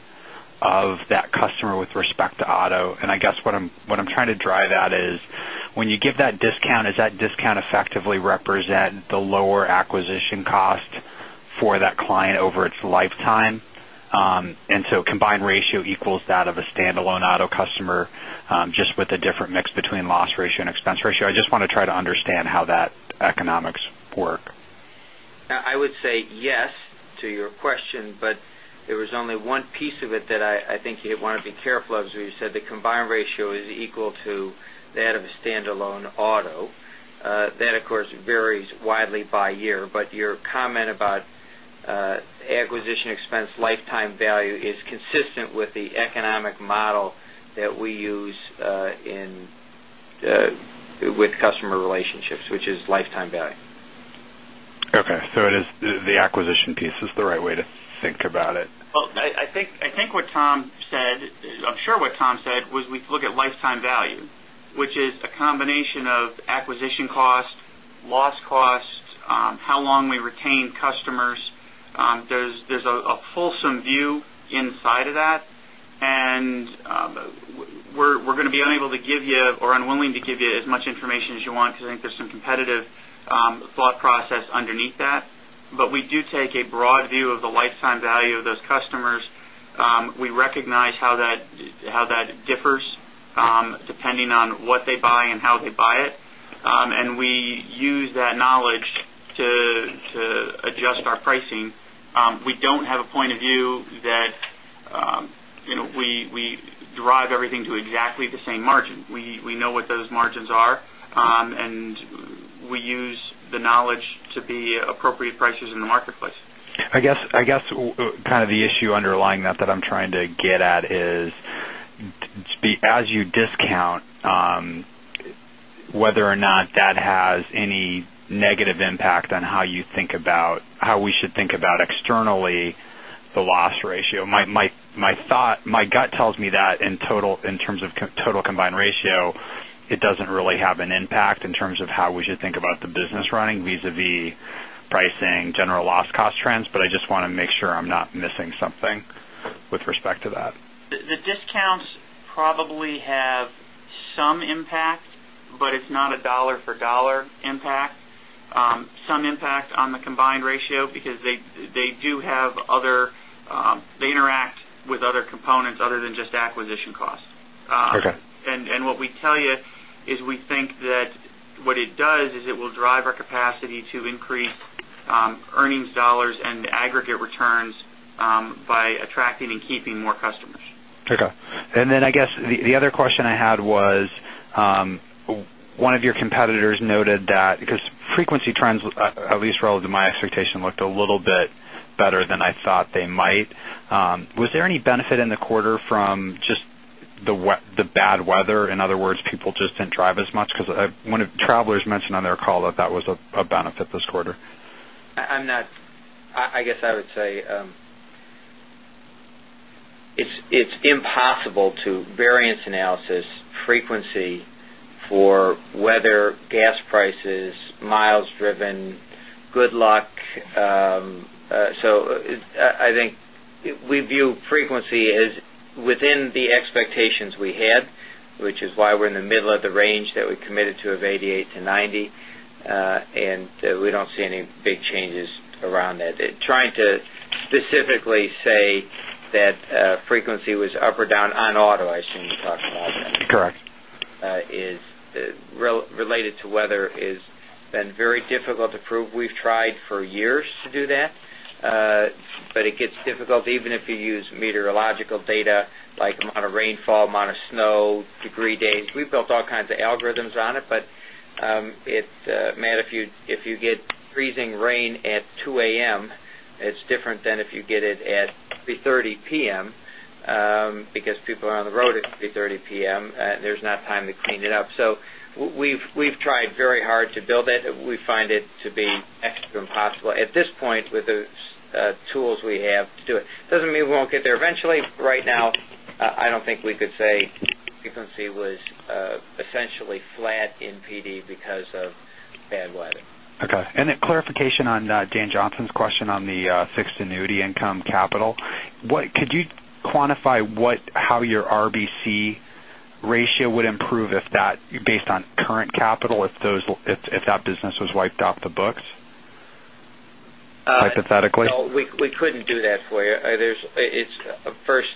of that customer with respect to auto? I guess what I'm trying to drive at is when you give that discount, does that discount effectively represent the lower acquisition cost for that client over its lifetime? Combined ratio equals that of a standalone auto customer just with a different mix between loss ratio and expense ratio. I just want to try to understand how that economics work. I would say yes to your question. There was only one piece of it that I think you'd want to be careful of, as you said, the combined ratio is equal to that of a standalone auto. That, of course, varies widely by year. Your comment about acquisition expense lifetime value is consistent with the economic model that we use with customer relationships, which is lifetime value. Okay. The acquisition piece is the right way to think about it. Well, I'm sure what Tom said was we look at lifetime value, which is a combination of acquisition cost, loss cost, how long we retain customers. There's a fulsome view inside of that, and we're going to be unable to give you or unwilling to give you as much information as you want because I think there's some competitive thought process underneath that. We do take a broad view of the lifetime value of those customers. We recognize how that differs depending on what they buy and how they buy it. We use that knowledge to adjust our pricing. We don't have a point of view that we derive everything to exactly the same margin. We know what those margins are, and we use the knowledge to be appropriate prices in the marketplace. I guess, kind of the issue underlying that I'm trying to get at is, as you discount whether or not that has any negative impact on how we should think about externally the loss ratio. My gut tells me that in terms of total combined ratio, it doesn't really have an impact in terms of how we should think about the business running vis-a-vis pricing, general loss cost trends. I just want to make sure I'm not missing something with respect to that. The discounts probably have some impact, it's not a dollar for dollar impact. Some impact on the combined ratio because they interact with other components other than just acquisition costs. Okay. What we tell you is, we think that what it does is it will drive our capacity to increase earnings dollars and aggregate returns by attracting and keeping more customers. Okay. I guess the other question I had was, one of your competitors noted that because frequency trends, at least relative to my expectation, looked a little bit better than I thought they might. Was there any benefit in the quarter from just the bad weather? In other words, people just didn't drive as much because Travelers mentioned on their call that that was a benefit this quarter. I guess I would say, it's impossible to variance analysis frequency for weather, gas prices, miles driven, good luck. I think we view frequency as within the expectations we had, which is why we're in the middle of the range that we committed to of 88%-90%. We don't see any big changes around that. Trying to specifically say that frequency was up or down on auto, I assume you're talking about that. Correct. Related to weather has been very difficult to prove. We've tried for years to do that. It gets difficult even if you use meteorological data like amount of rainfall, amount of snow, degree days. We've built all kinds of algorithms on it. Matt, if you get freezing rain at 2:00 A.M., it's different than if you get it at 3:30 P.M., because people are on the road at 3:30 P.M., there's not time to clean it up. We've tried very hard to build it. We find it to be next to impossible at this point with the tools we have to do it. Doesn't mean we won't get there eventually. Right now, I don't think we could say frequency was essentially flat in PD because of bad weather. Okay. A clarification on Dan Johnson's question on the fixed annuity income capital. Could you quantify how your RBC ratio would improve if that, based on current capital, if that business was wiped off the books hypothetically? No, we couldn't do that for you. First,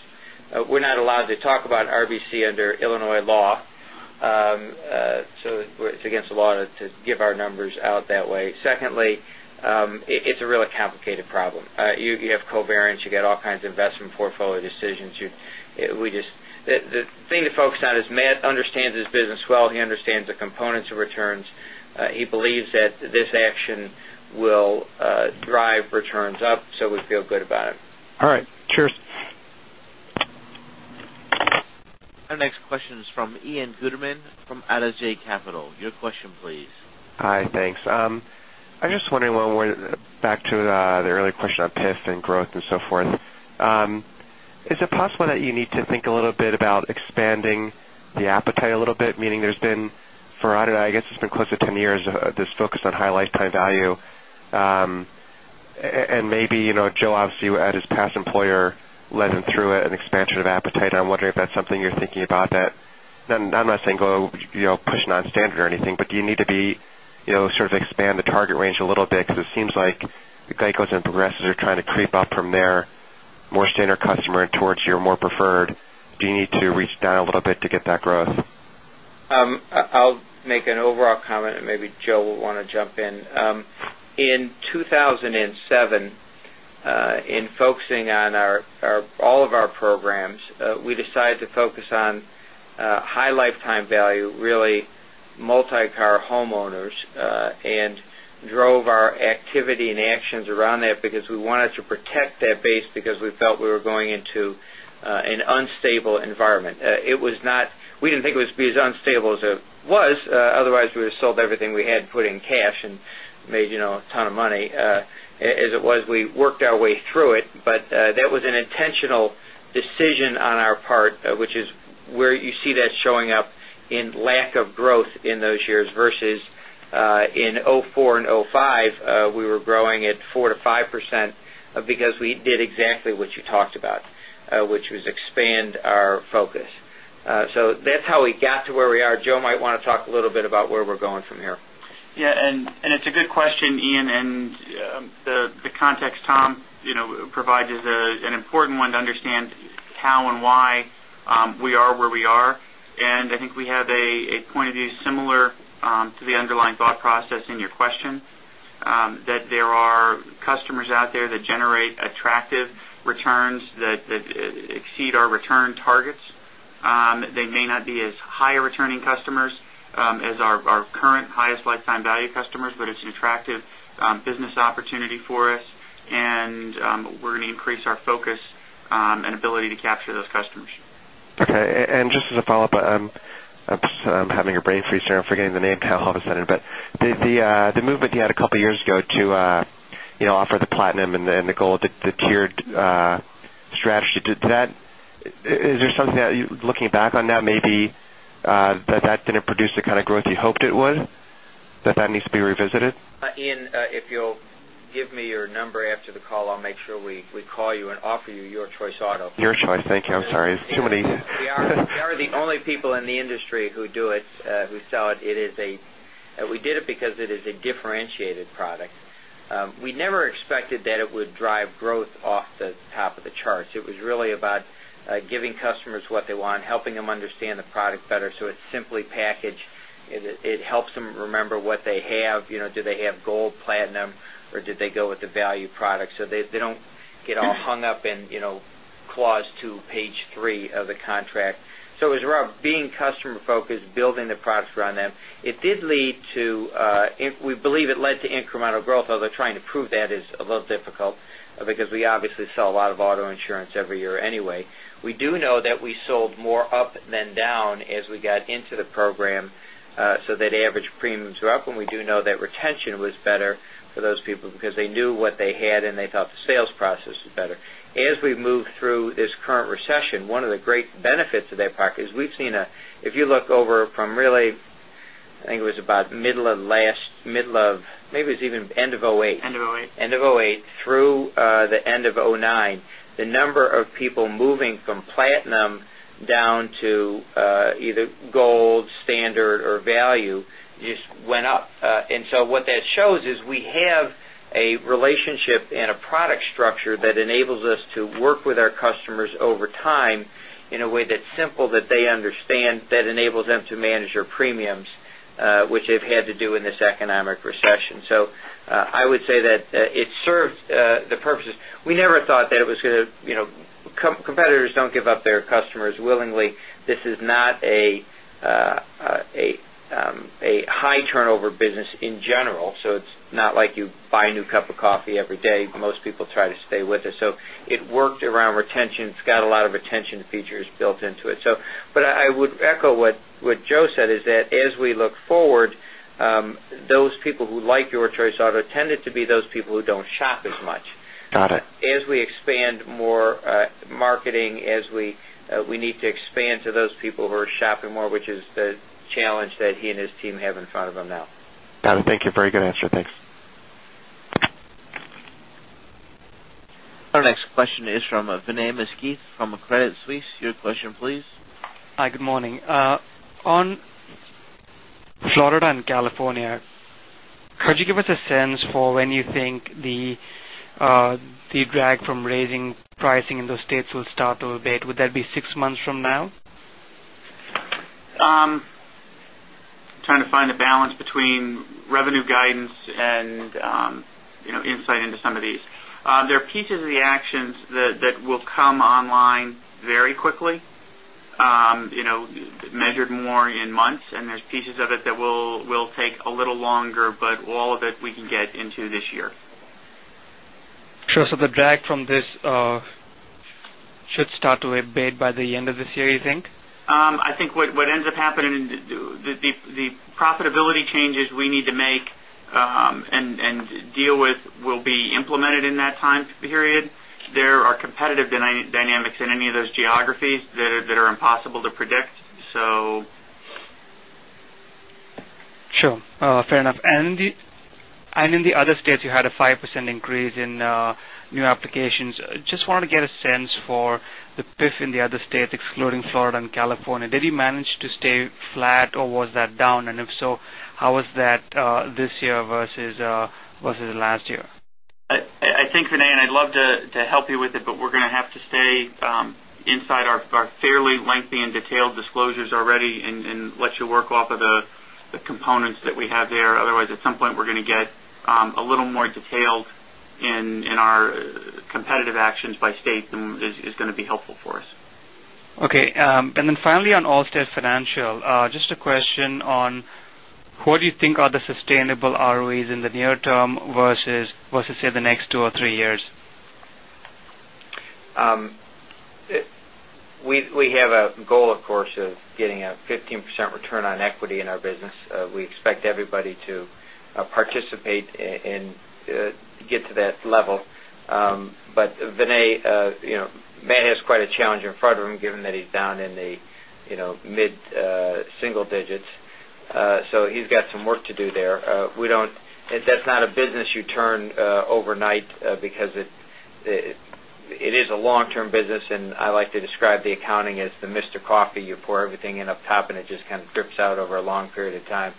we're not allowed to talk about RBC under Illinois law. It's against the law to give our numbers out that way. Secondly, it's a really complicated problem. You have covariance, you got all kinds of investment portfolio decisions. The thing to focus on is Matt understands his business well. He understands the components of returns. He believes that this action will drive returns up, so we feel good about it. All right. Cheers. Our next question is from Ian Gutterman from Adage Capital. Your question, please. Hi. Thanks. I was just wondering, back to the earlier question on PIF and growth and so forth. Is it possible that you need to think a little bit about expanding the appetite a little bit? Meaning there's been, I guess it's been close to 10 years of this focus on high lifetime value. Maybe Joe, obviously, at his past employer, led him through an expansion of appetite, and I'm wondering if that's something you're thinking about. I'm not saying go pushing on standard or anything, do you need to sort of expand the target range a little bit? It seems like the GEICOs and Progressives are trying to creep up from their more standard customer towards your more preferred. Do you need to reach down a little bit to get that growth? I'll make an overall comment, maybe Joe will want to jump in. In 2007, in focusing on all of our programs, we decided to focus on high lifetime value, really multi-car homeowners, and drove our activity and actions around that because we wanted to protect that base because we felt we were going into an unstable environment. We didn't think it would be as unstable as it was, otherwise we would've sold everything we had, put it in cash, and made a ton of money. As it was, we worked our way through it. That was an intentional decision on our part, which is where you see that showing up in lack of growth in those years versus in 2004 and 2005, we were growing at 4%-5% because we did exactly what you talked about, which was expand our focus. That's how we got to where we are. Joe might want to talk a little bit about where we're going from here. It's a good question, Ian, the context Tom provides is an important one to understand how and why we are where we are. I think we have a point of view similar to the underlying thought process in your question, that there are customers out there that generate attractive returns that exceed our return targets. They may not be as high returning customers as our current highest lifetime value customers, but it's an attractive business opportunity for us, and we're going to increase our focus and ability to capture those customers. Okay. Just as a follow-up, I'm having a brain freeze here. I'm forgetting the name now all of a sudden. The movement you had a couple of years ago to offer the platinum and the gold, the tiered strategy. Looking back on that maybe, that didn't produce the kind of growth you hoped it would? That needs to be revisited? Ian, if you'll give me your number after the call, I'll make sure we call you and offer you Your Choice Auto. Your Choice. Thank you. I'm sorry. There's too many. We are the only people in the industry who do it, who sell it. We did it because it is a differentiated product. We never expected that it would drive growth off the top of the charts. It was really about giving customers what they want, helping them understand the product better. It's simply packaged, it helps them remember what they have. Do they have gold, platinum, or did they go with the value product? They don't get all hung up in clause two, page three of the contract. As we're being customer focused, building the products around them. We believe it led to incremental growth, although trying to prove that is a little difficult because we obviously sell a lot of auto insurance every year anyway. We do know that we sold more up than down as we got into the program, that average premiums were up, and we do know that retention was better for those people because they knew what they had, and they felt the sales process was better. As we've moved through this current recession, one of the great benefits of that product is we've seen, if you look over from really, I think it was about middle of maybe it's even end of 2008. End of 2008. End of 2008 through the end of 2009, the number of people moving from platinum down to either gold, standard, or value just went up. What that shows is we have a relationship and a product structure that enables us to work with our customers over time in a way that's simple, that they understand, that enables them to manage their premiums, which they've had to do in this economic recession. I would say that it served the purposes. We never thought that it was going to. Competitors don't give up their customers willingly. This is not a high turnover business in general. It's not like you buy a new cup of coffee every day. Most people try to stay with us. It worked around retention. It's got a lot of retention features built into it. I would echo what Joe said, is that as we look forward, those people who like Your Choice Auto tended to be those people who don't shop as much. Got it. As we expand more marketing, we need to expand to those people who are shopping more, which is the challenge that he and his team have in front of them now. Got it. Thank you. Very good answer. Thanks. Our next question is from Vinay Misquith from Credit Suisse. Your question, please. Hi, good morning. On Florida and California, could you give us a sense for when you think the drag from raising pricing in those states will start a little bit? Would that be six months from now? Trying to find a balance between revenue guidance and insight into some of these. There are pieces of the actions that will come online very quickly, measured more in months, and there's pieces of it that will take a little longer, but all of it we can get into this year. Sure. The drag from this should start to abate by the end of this year, you think? I think what ends up happening, the profitability changes we need to make and deal with will be implemented in that time period. There are competitive dynamics in any of those geographies that are impossible to predict. Sure. Fair enough. In the other states, you had a 5% increase in new applications. Just wanted to get a sense for the PIF in the other states, excluding Florida and California. Did you manage to stay flat or was that down? If so, how was that this year versus last year? I think, Vinay, I'd love to help you with it, we're going to have to stay inside our fairly lengthy and detailed disclosures already and let you work off of the components that we have there. Otherwise, at some point, we're going to get a little more detailed in our competitive actions by state is going to be helpful for us. Okay. Finally, on Allstate Financial, just a question on what do you think are the sustainable ROEs in the near term versus, say, the next two or three years? We have a goal, of course, of getting a 15% return on equity in our business. We expect everybody to participate and get to that level. Vinay, Matt has quite a challenge in front of him given that he's down in the mid-single digits. He's got some work to do there. That's not a business you turn overnight because it is a long-term business, and I like to describe the accounting as the Mr. Coffee. You pour everything in up top, and it just kind of drips out over a long period of time.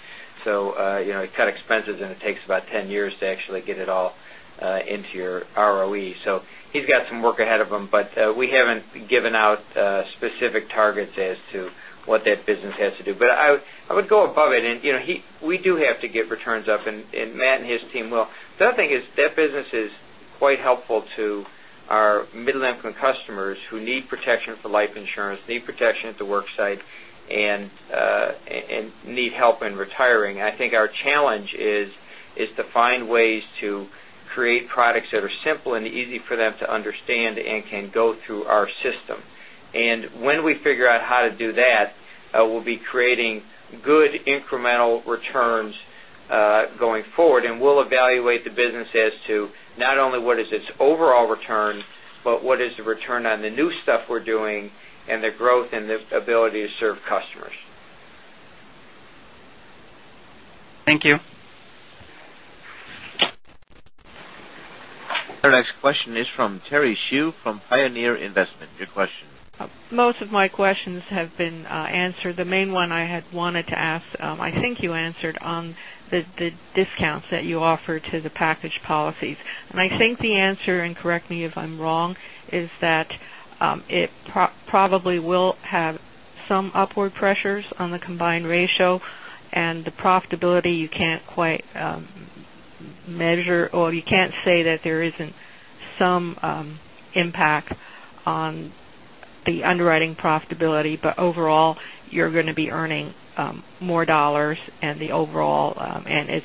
It's kind of expensive, and it takes about 10 years to actually get it all into your ROE. He's got some work ahead of him, but we haven't given out specific targets as to what that business has to do. I would go above it. We do have to get returns up, and Matt and his team will. The other thing is that business is quite helpful to our middle-income customers who need protection for life insurance, need protection at the work site, and need help in retiring. I think our challenge is to find ways to create products that are simple and easy for them to understand and can go through our system. When we figure out how to do that, we'll be creating good incremental returns going forward, and we'll evaluate the business as to not only what is its overall return, but what is the return on the new stuff we're doing and the growth and the ability to serve customers. Thank you. Our next question is from Terry Xu from Pioneer Investments. Your question. Most of my questions have been answered. The main one I had wanted to ask, I think you answered on the discounts that you offer to the package policies. I think the answer, and correct me if I'm wrong, is that it probably will have some upward pressures on the combined ratio and the profitability you can't quite measure, or you can't say that there isn't some impact on the underwriting profitability. Overall, you're going to be earning more dollars and it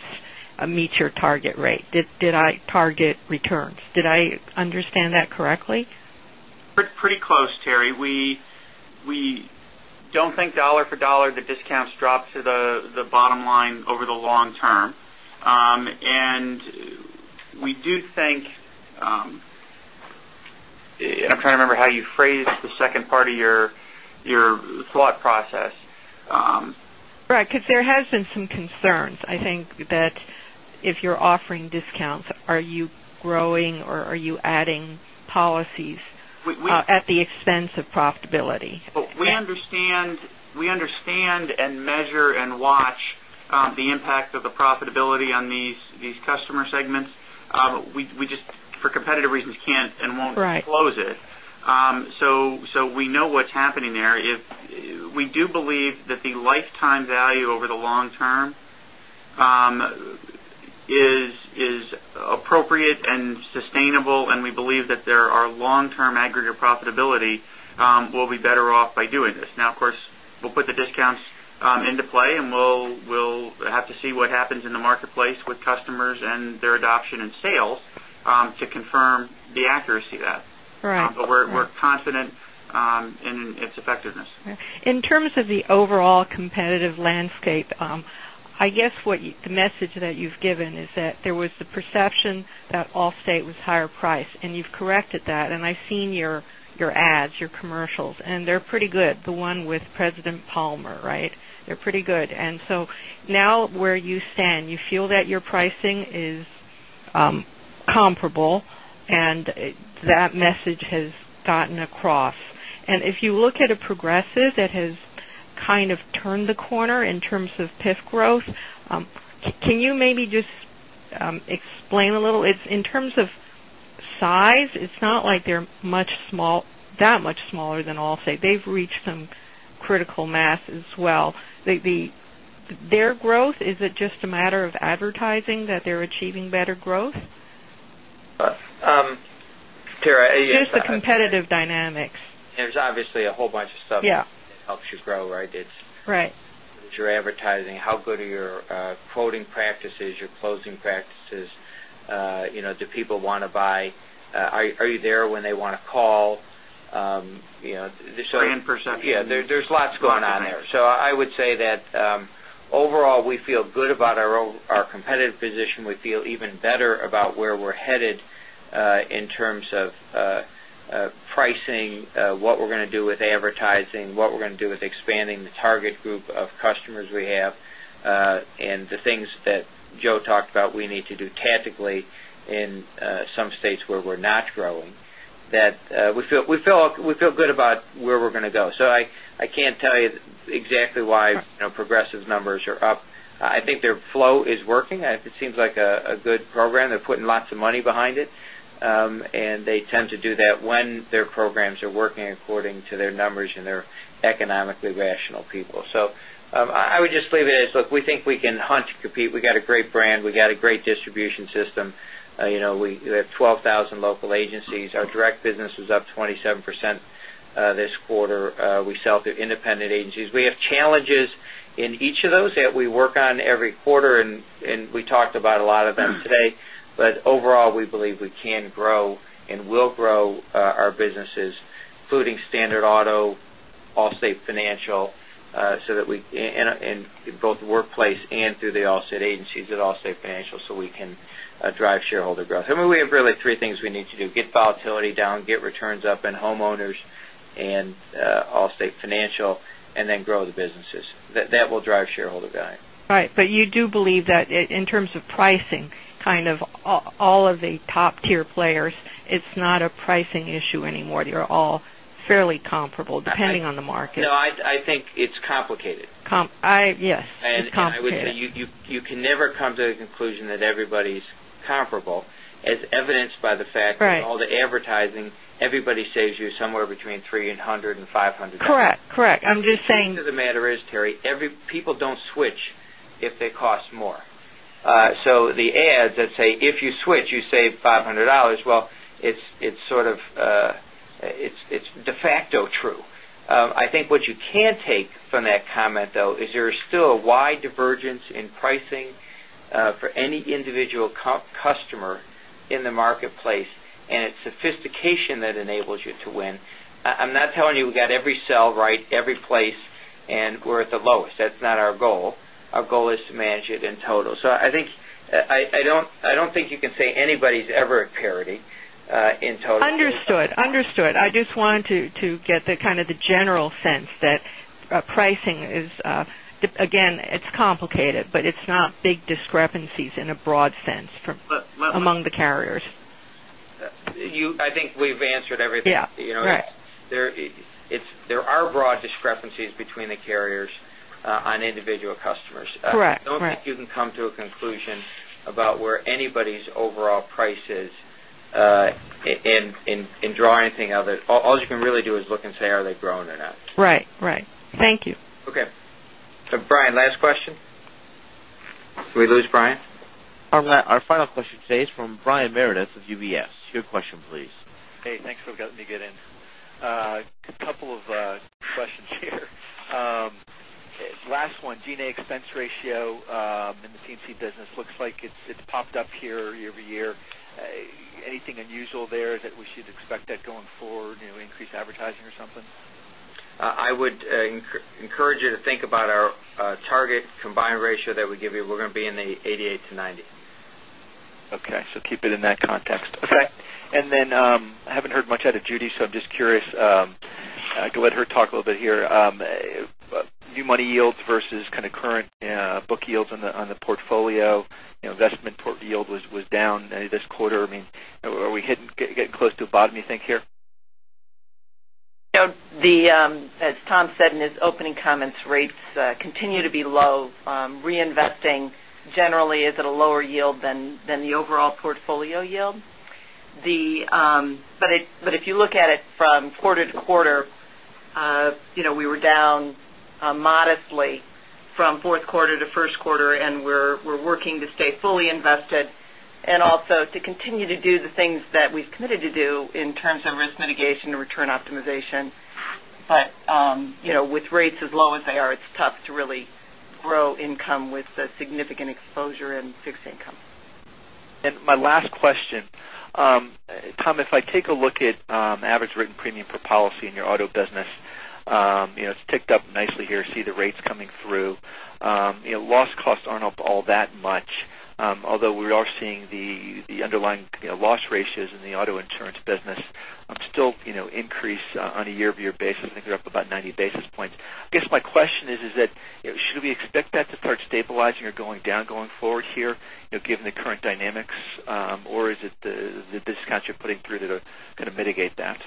meets your target rate. Did I target returns? Did I understand that correctly? Pretty close, Terry. We don't think dollar for dollar, the discounts drop to the bottom line over the long term. We do think, I'm trying to remember how you phrased the second part of your thought process. Right, because there has been some concerns, I think, that if you're offering discounts, are you growing or are you adding policies at the expense of profitability? We understand and measure and watch the impact of the profitability on these customer segments. We just, for competitive reasons, can't and won't disclose it. Right. We know what's happening there. We do believe that the lifetime value over the long term is appropriate and sustainable, and we believe that there are long-term aggregate profitability. We'll be better off by doing this. Of course, we'll put the discounts into play, and we'll have to see what happens in the marketplace with customers and their adoption in sales to confirm the accuracy of that. Right. We're confident in its effectiveness. In terms of the overall competitive landscape, I guess the message that you've given is that there was the perception that Allstate was higher priced, you've corrected that. I've seen your ads, your commercials, and they're pretty good. The one with David Palmer, right? They're pretty good. Now where you stand, you feel that your pricing is comparable and that message has gotten across. If you look at a Progressive, that has kind of turned the corner in terms of PIF growth. Can you maybe just explain a little? In terms of size, it's not like they're that much smaller than Allstate. They've reached some critical mass as well. Their growth, is it just a matter of advertising that they're achieving better growth? Terry- Just the competitive dynamics. There's obviously a whole bunch of stuff. Yeah that helps you grow, right? Right. It's your advertising. How good are your quoting practices, your closing practices? Do people want to buy? Are you there when they want to call? Brand perception. Yeah, there's lots going on there. I would say that overall, we feel good about our competitive position. We feel even better about where we're headed in terms of pricing, what we're going to do with advertising, what we're going to do with expanding the target group of customers we have, and the things that Joe talked about we need to do tactically in some states where we're not growing. We feel good about where we're going to go. I can't tell you exactly why Progressive's numbers are up. I think their Flo is working. It seems like a good program. They're putting lots of money behind it, and they tend to do that when their programs are working according to their numbers, and they're economically rational people. I would just leave it as, look, we think we can hunt to compete. We got a great brand. We got a great distribution system. We have 12,000 local agencies. Our direct business is up 27% this quarter. We sell through independent agencies. Overall, we believe we can grow and will grow our businesses, including Standard Auto, Allstate Financial, in both Workplace and through the Allstate agencies at Allstate Financial, so we can drive shareholder growth. We have really three things we need to do. Get volatility down, get returns up in homeowners and Allstate Financial, and then grow the businesses. That will drive shareholder value. Right. You do believe that in terms of pricing, kind of all of the top-tier players, it's not a pricing issue anymore. They're all fairly comparable depending on the market. No, I think it's complicated. Yes, it's complicated. I would say you can never come to the conclusion that everybody's comparable, as evidenced by the fact that. Right In all the advertising, everybody saves you somewhere between $300 and $500. Correct. I'm just saying. The truth of the matter is, Terry, people don't switch if they cost more. The ads that say, "If you switch, you save $500," well, it's de facto true. I think what you can take from that comment, though, is there is still a wide divergence in pricing for any individual customer in the marketplace, and it's sophistication that enables you to win. I'm not telling you we got every sell right every place, and we're at the lowest. That's not our goal. Our goal is to manage it in total. I don't think you can say anybody's ever at parity in total. Understood. I just wanted to get the kind of the general sense that pricing is, again, it's complicated, but it's not big discrepancies in a broad sense among the carriers. I think we've answered everything. Yeah. Correct. There are broad discrepancies between the carriers on individual customers. Correct. I don't think you can come to a conclusion about where anybody's overall price is in drawing anything of it. All you can really do is look and say, are they growing or not? Right. Thank you. Okay. Brian, last question. Did we lose Brian? Our final question today is from Brian Meredith of UBS. Your question, please. Hey, thanks for letting me get in. Couple of questions here. Last one, G&A expense ratio in the P&C business looks like it's popped up year-over-year. Anything unusual there that we should expect that going forward, increased advertising or something? I would encourage you to think about our target combined ratio that we give you. We're going to be in the 88-90. Okay, keep it in that context. Right. Okay. I haven't heard much out of Judith P. Greffin, so I'm just curious. I could let her talk a little bit here. New money yields versus kind of current book yields on the portfolio. Investment portfolio yield was down this quarter. Are we getting close to a bottom, you think, here? As Thomas J. Wilson said in his opening comments, rates continue to be low. Reinvesting generally is at a lower yield than the overall portfolio yield. If you look at it from quarter to quarter, we were down modestly from fourth quarter to first quarter, we're working to stay fully invested and also to continue to do the things that we've committed to do in terms of risk mitigation and return optimization. With rates as low as they are, it's tough to really grow income with significant exposure in fixed income. My last question. Thomas J. Wilson, if I take a look at average written premium per policy in your auto business, it's ticked up nicely here. See the rates coming through. Loss costs aren't up all that much, although we are seeing the underlying loss ratios in the auto insurance business still increase on a year-over-year basis. I think they're up about 90 basis points. I guess my question is that, should we expect that to start stabilizing or going down going forward here, given the current dynamics? Is it the discounts you're putting through that are going to mitigate that?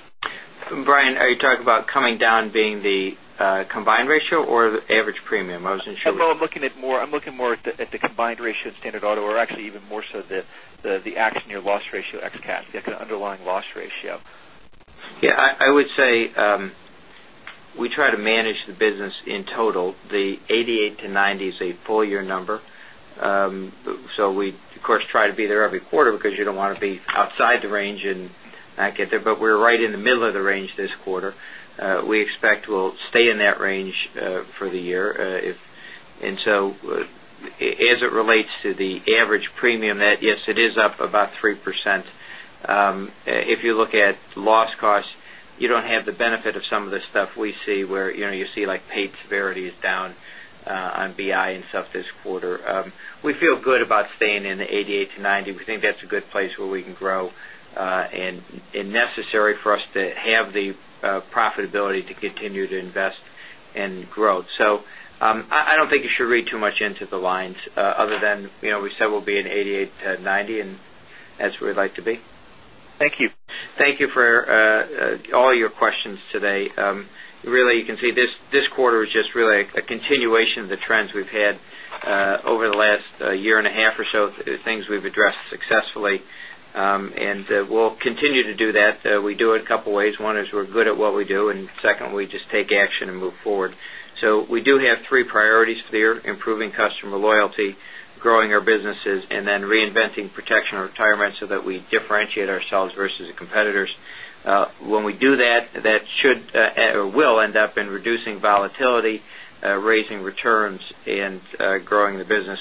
Brian Meredith, are you talking about coming down being the combined ratio or the average premium? I wasn't sure. I'm looking more at the underlying loss ratio ex cat, the underlying loss ratio. Yeah, I would say we try to manage the business in total. The 88%-90% is a full year number. We, of course, try to be there every quarter because you don't want to be outside the range and not get there, but we're right in the middle of the range this quarter. We expect we'll stay in that range for the year. As it relates to the average premium, yes, it is up about 3%. If you look at loss costs, you don't have the benefit of some of the stuff we see where you see paid severity is down on BI and stuff this quarter. We feel good about staying in the 88%-90%. We think that's a good place where we can grow and necessary for us to have the profitability to continue to invest in growth. I don't think you should read too much into the lines other than we said we'll be in 88%-90%, and that's where we'd like to be. Thank you. Thank you for all your questions today. Really, you can see this quarter was just really a continuation of the trends we've had over the last year and a half or so, things we've addressed successfully, and we'll continue to do that. We do it a couple ways. One is we're good at what we do, and second, we just take action and move forward. We do have three priorities clear. Improving customer loyalty, growing our businesses, and then reinventing protection and retirement so that we differentiate ourselves versus the competitors. When we do that will end up in reducing volatility, raising returns, and growing the business.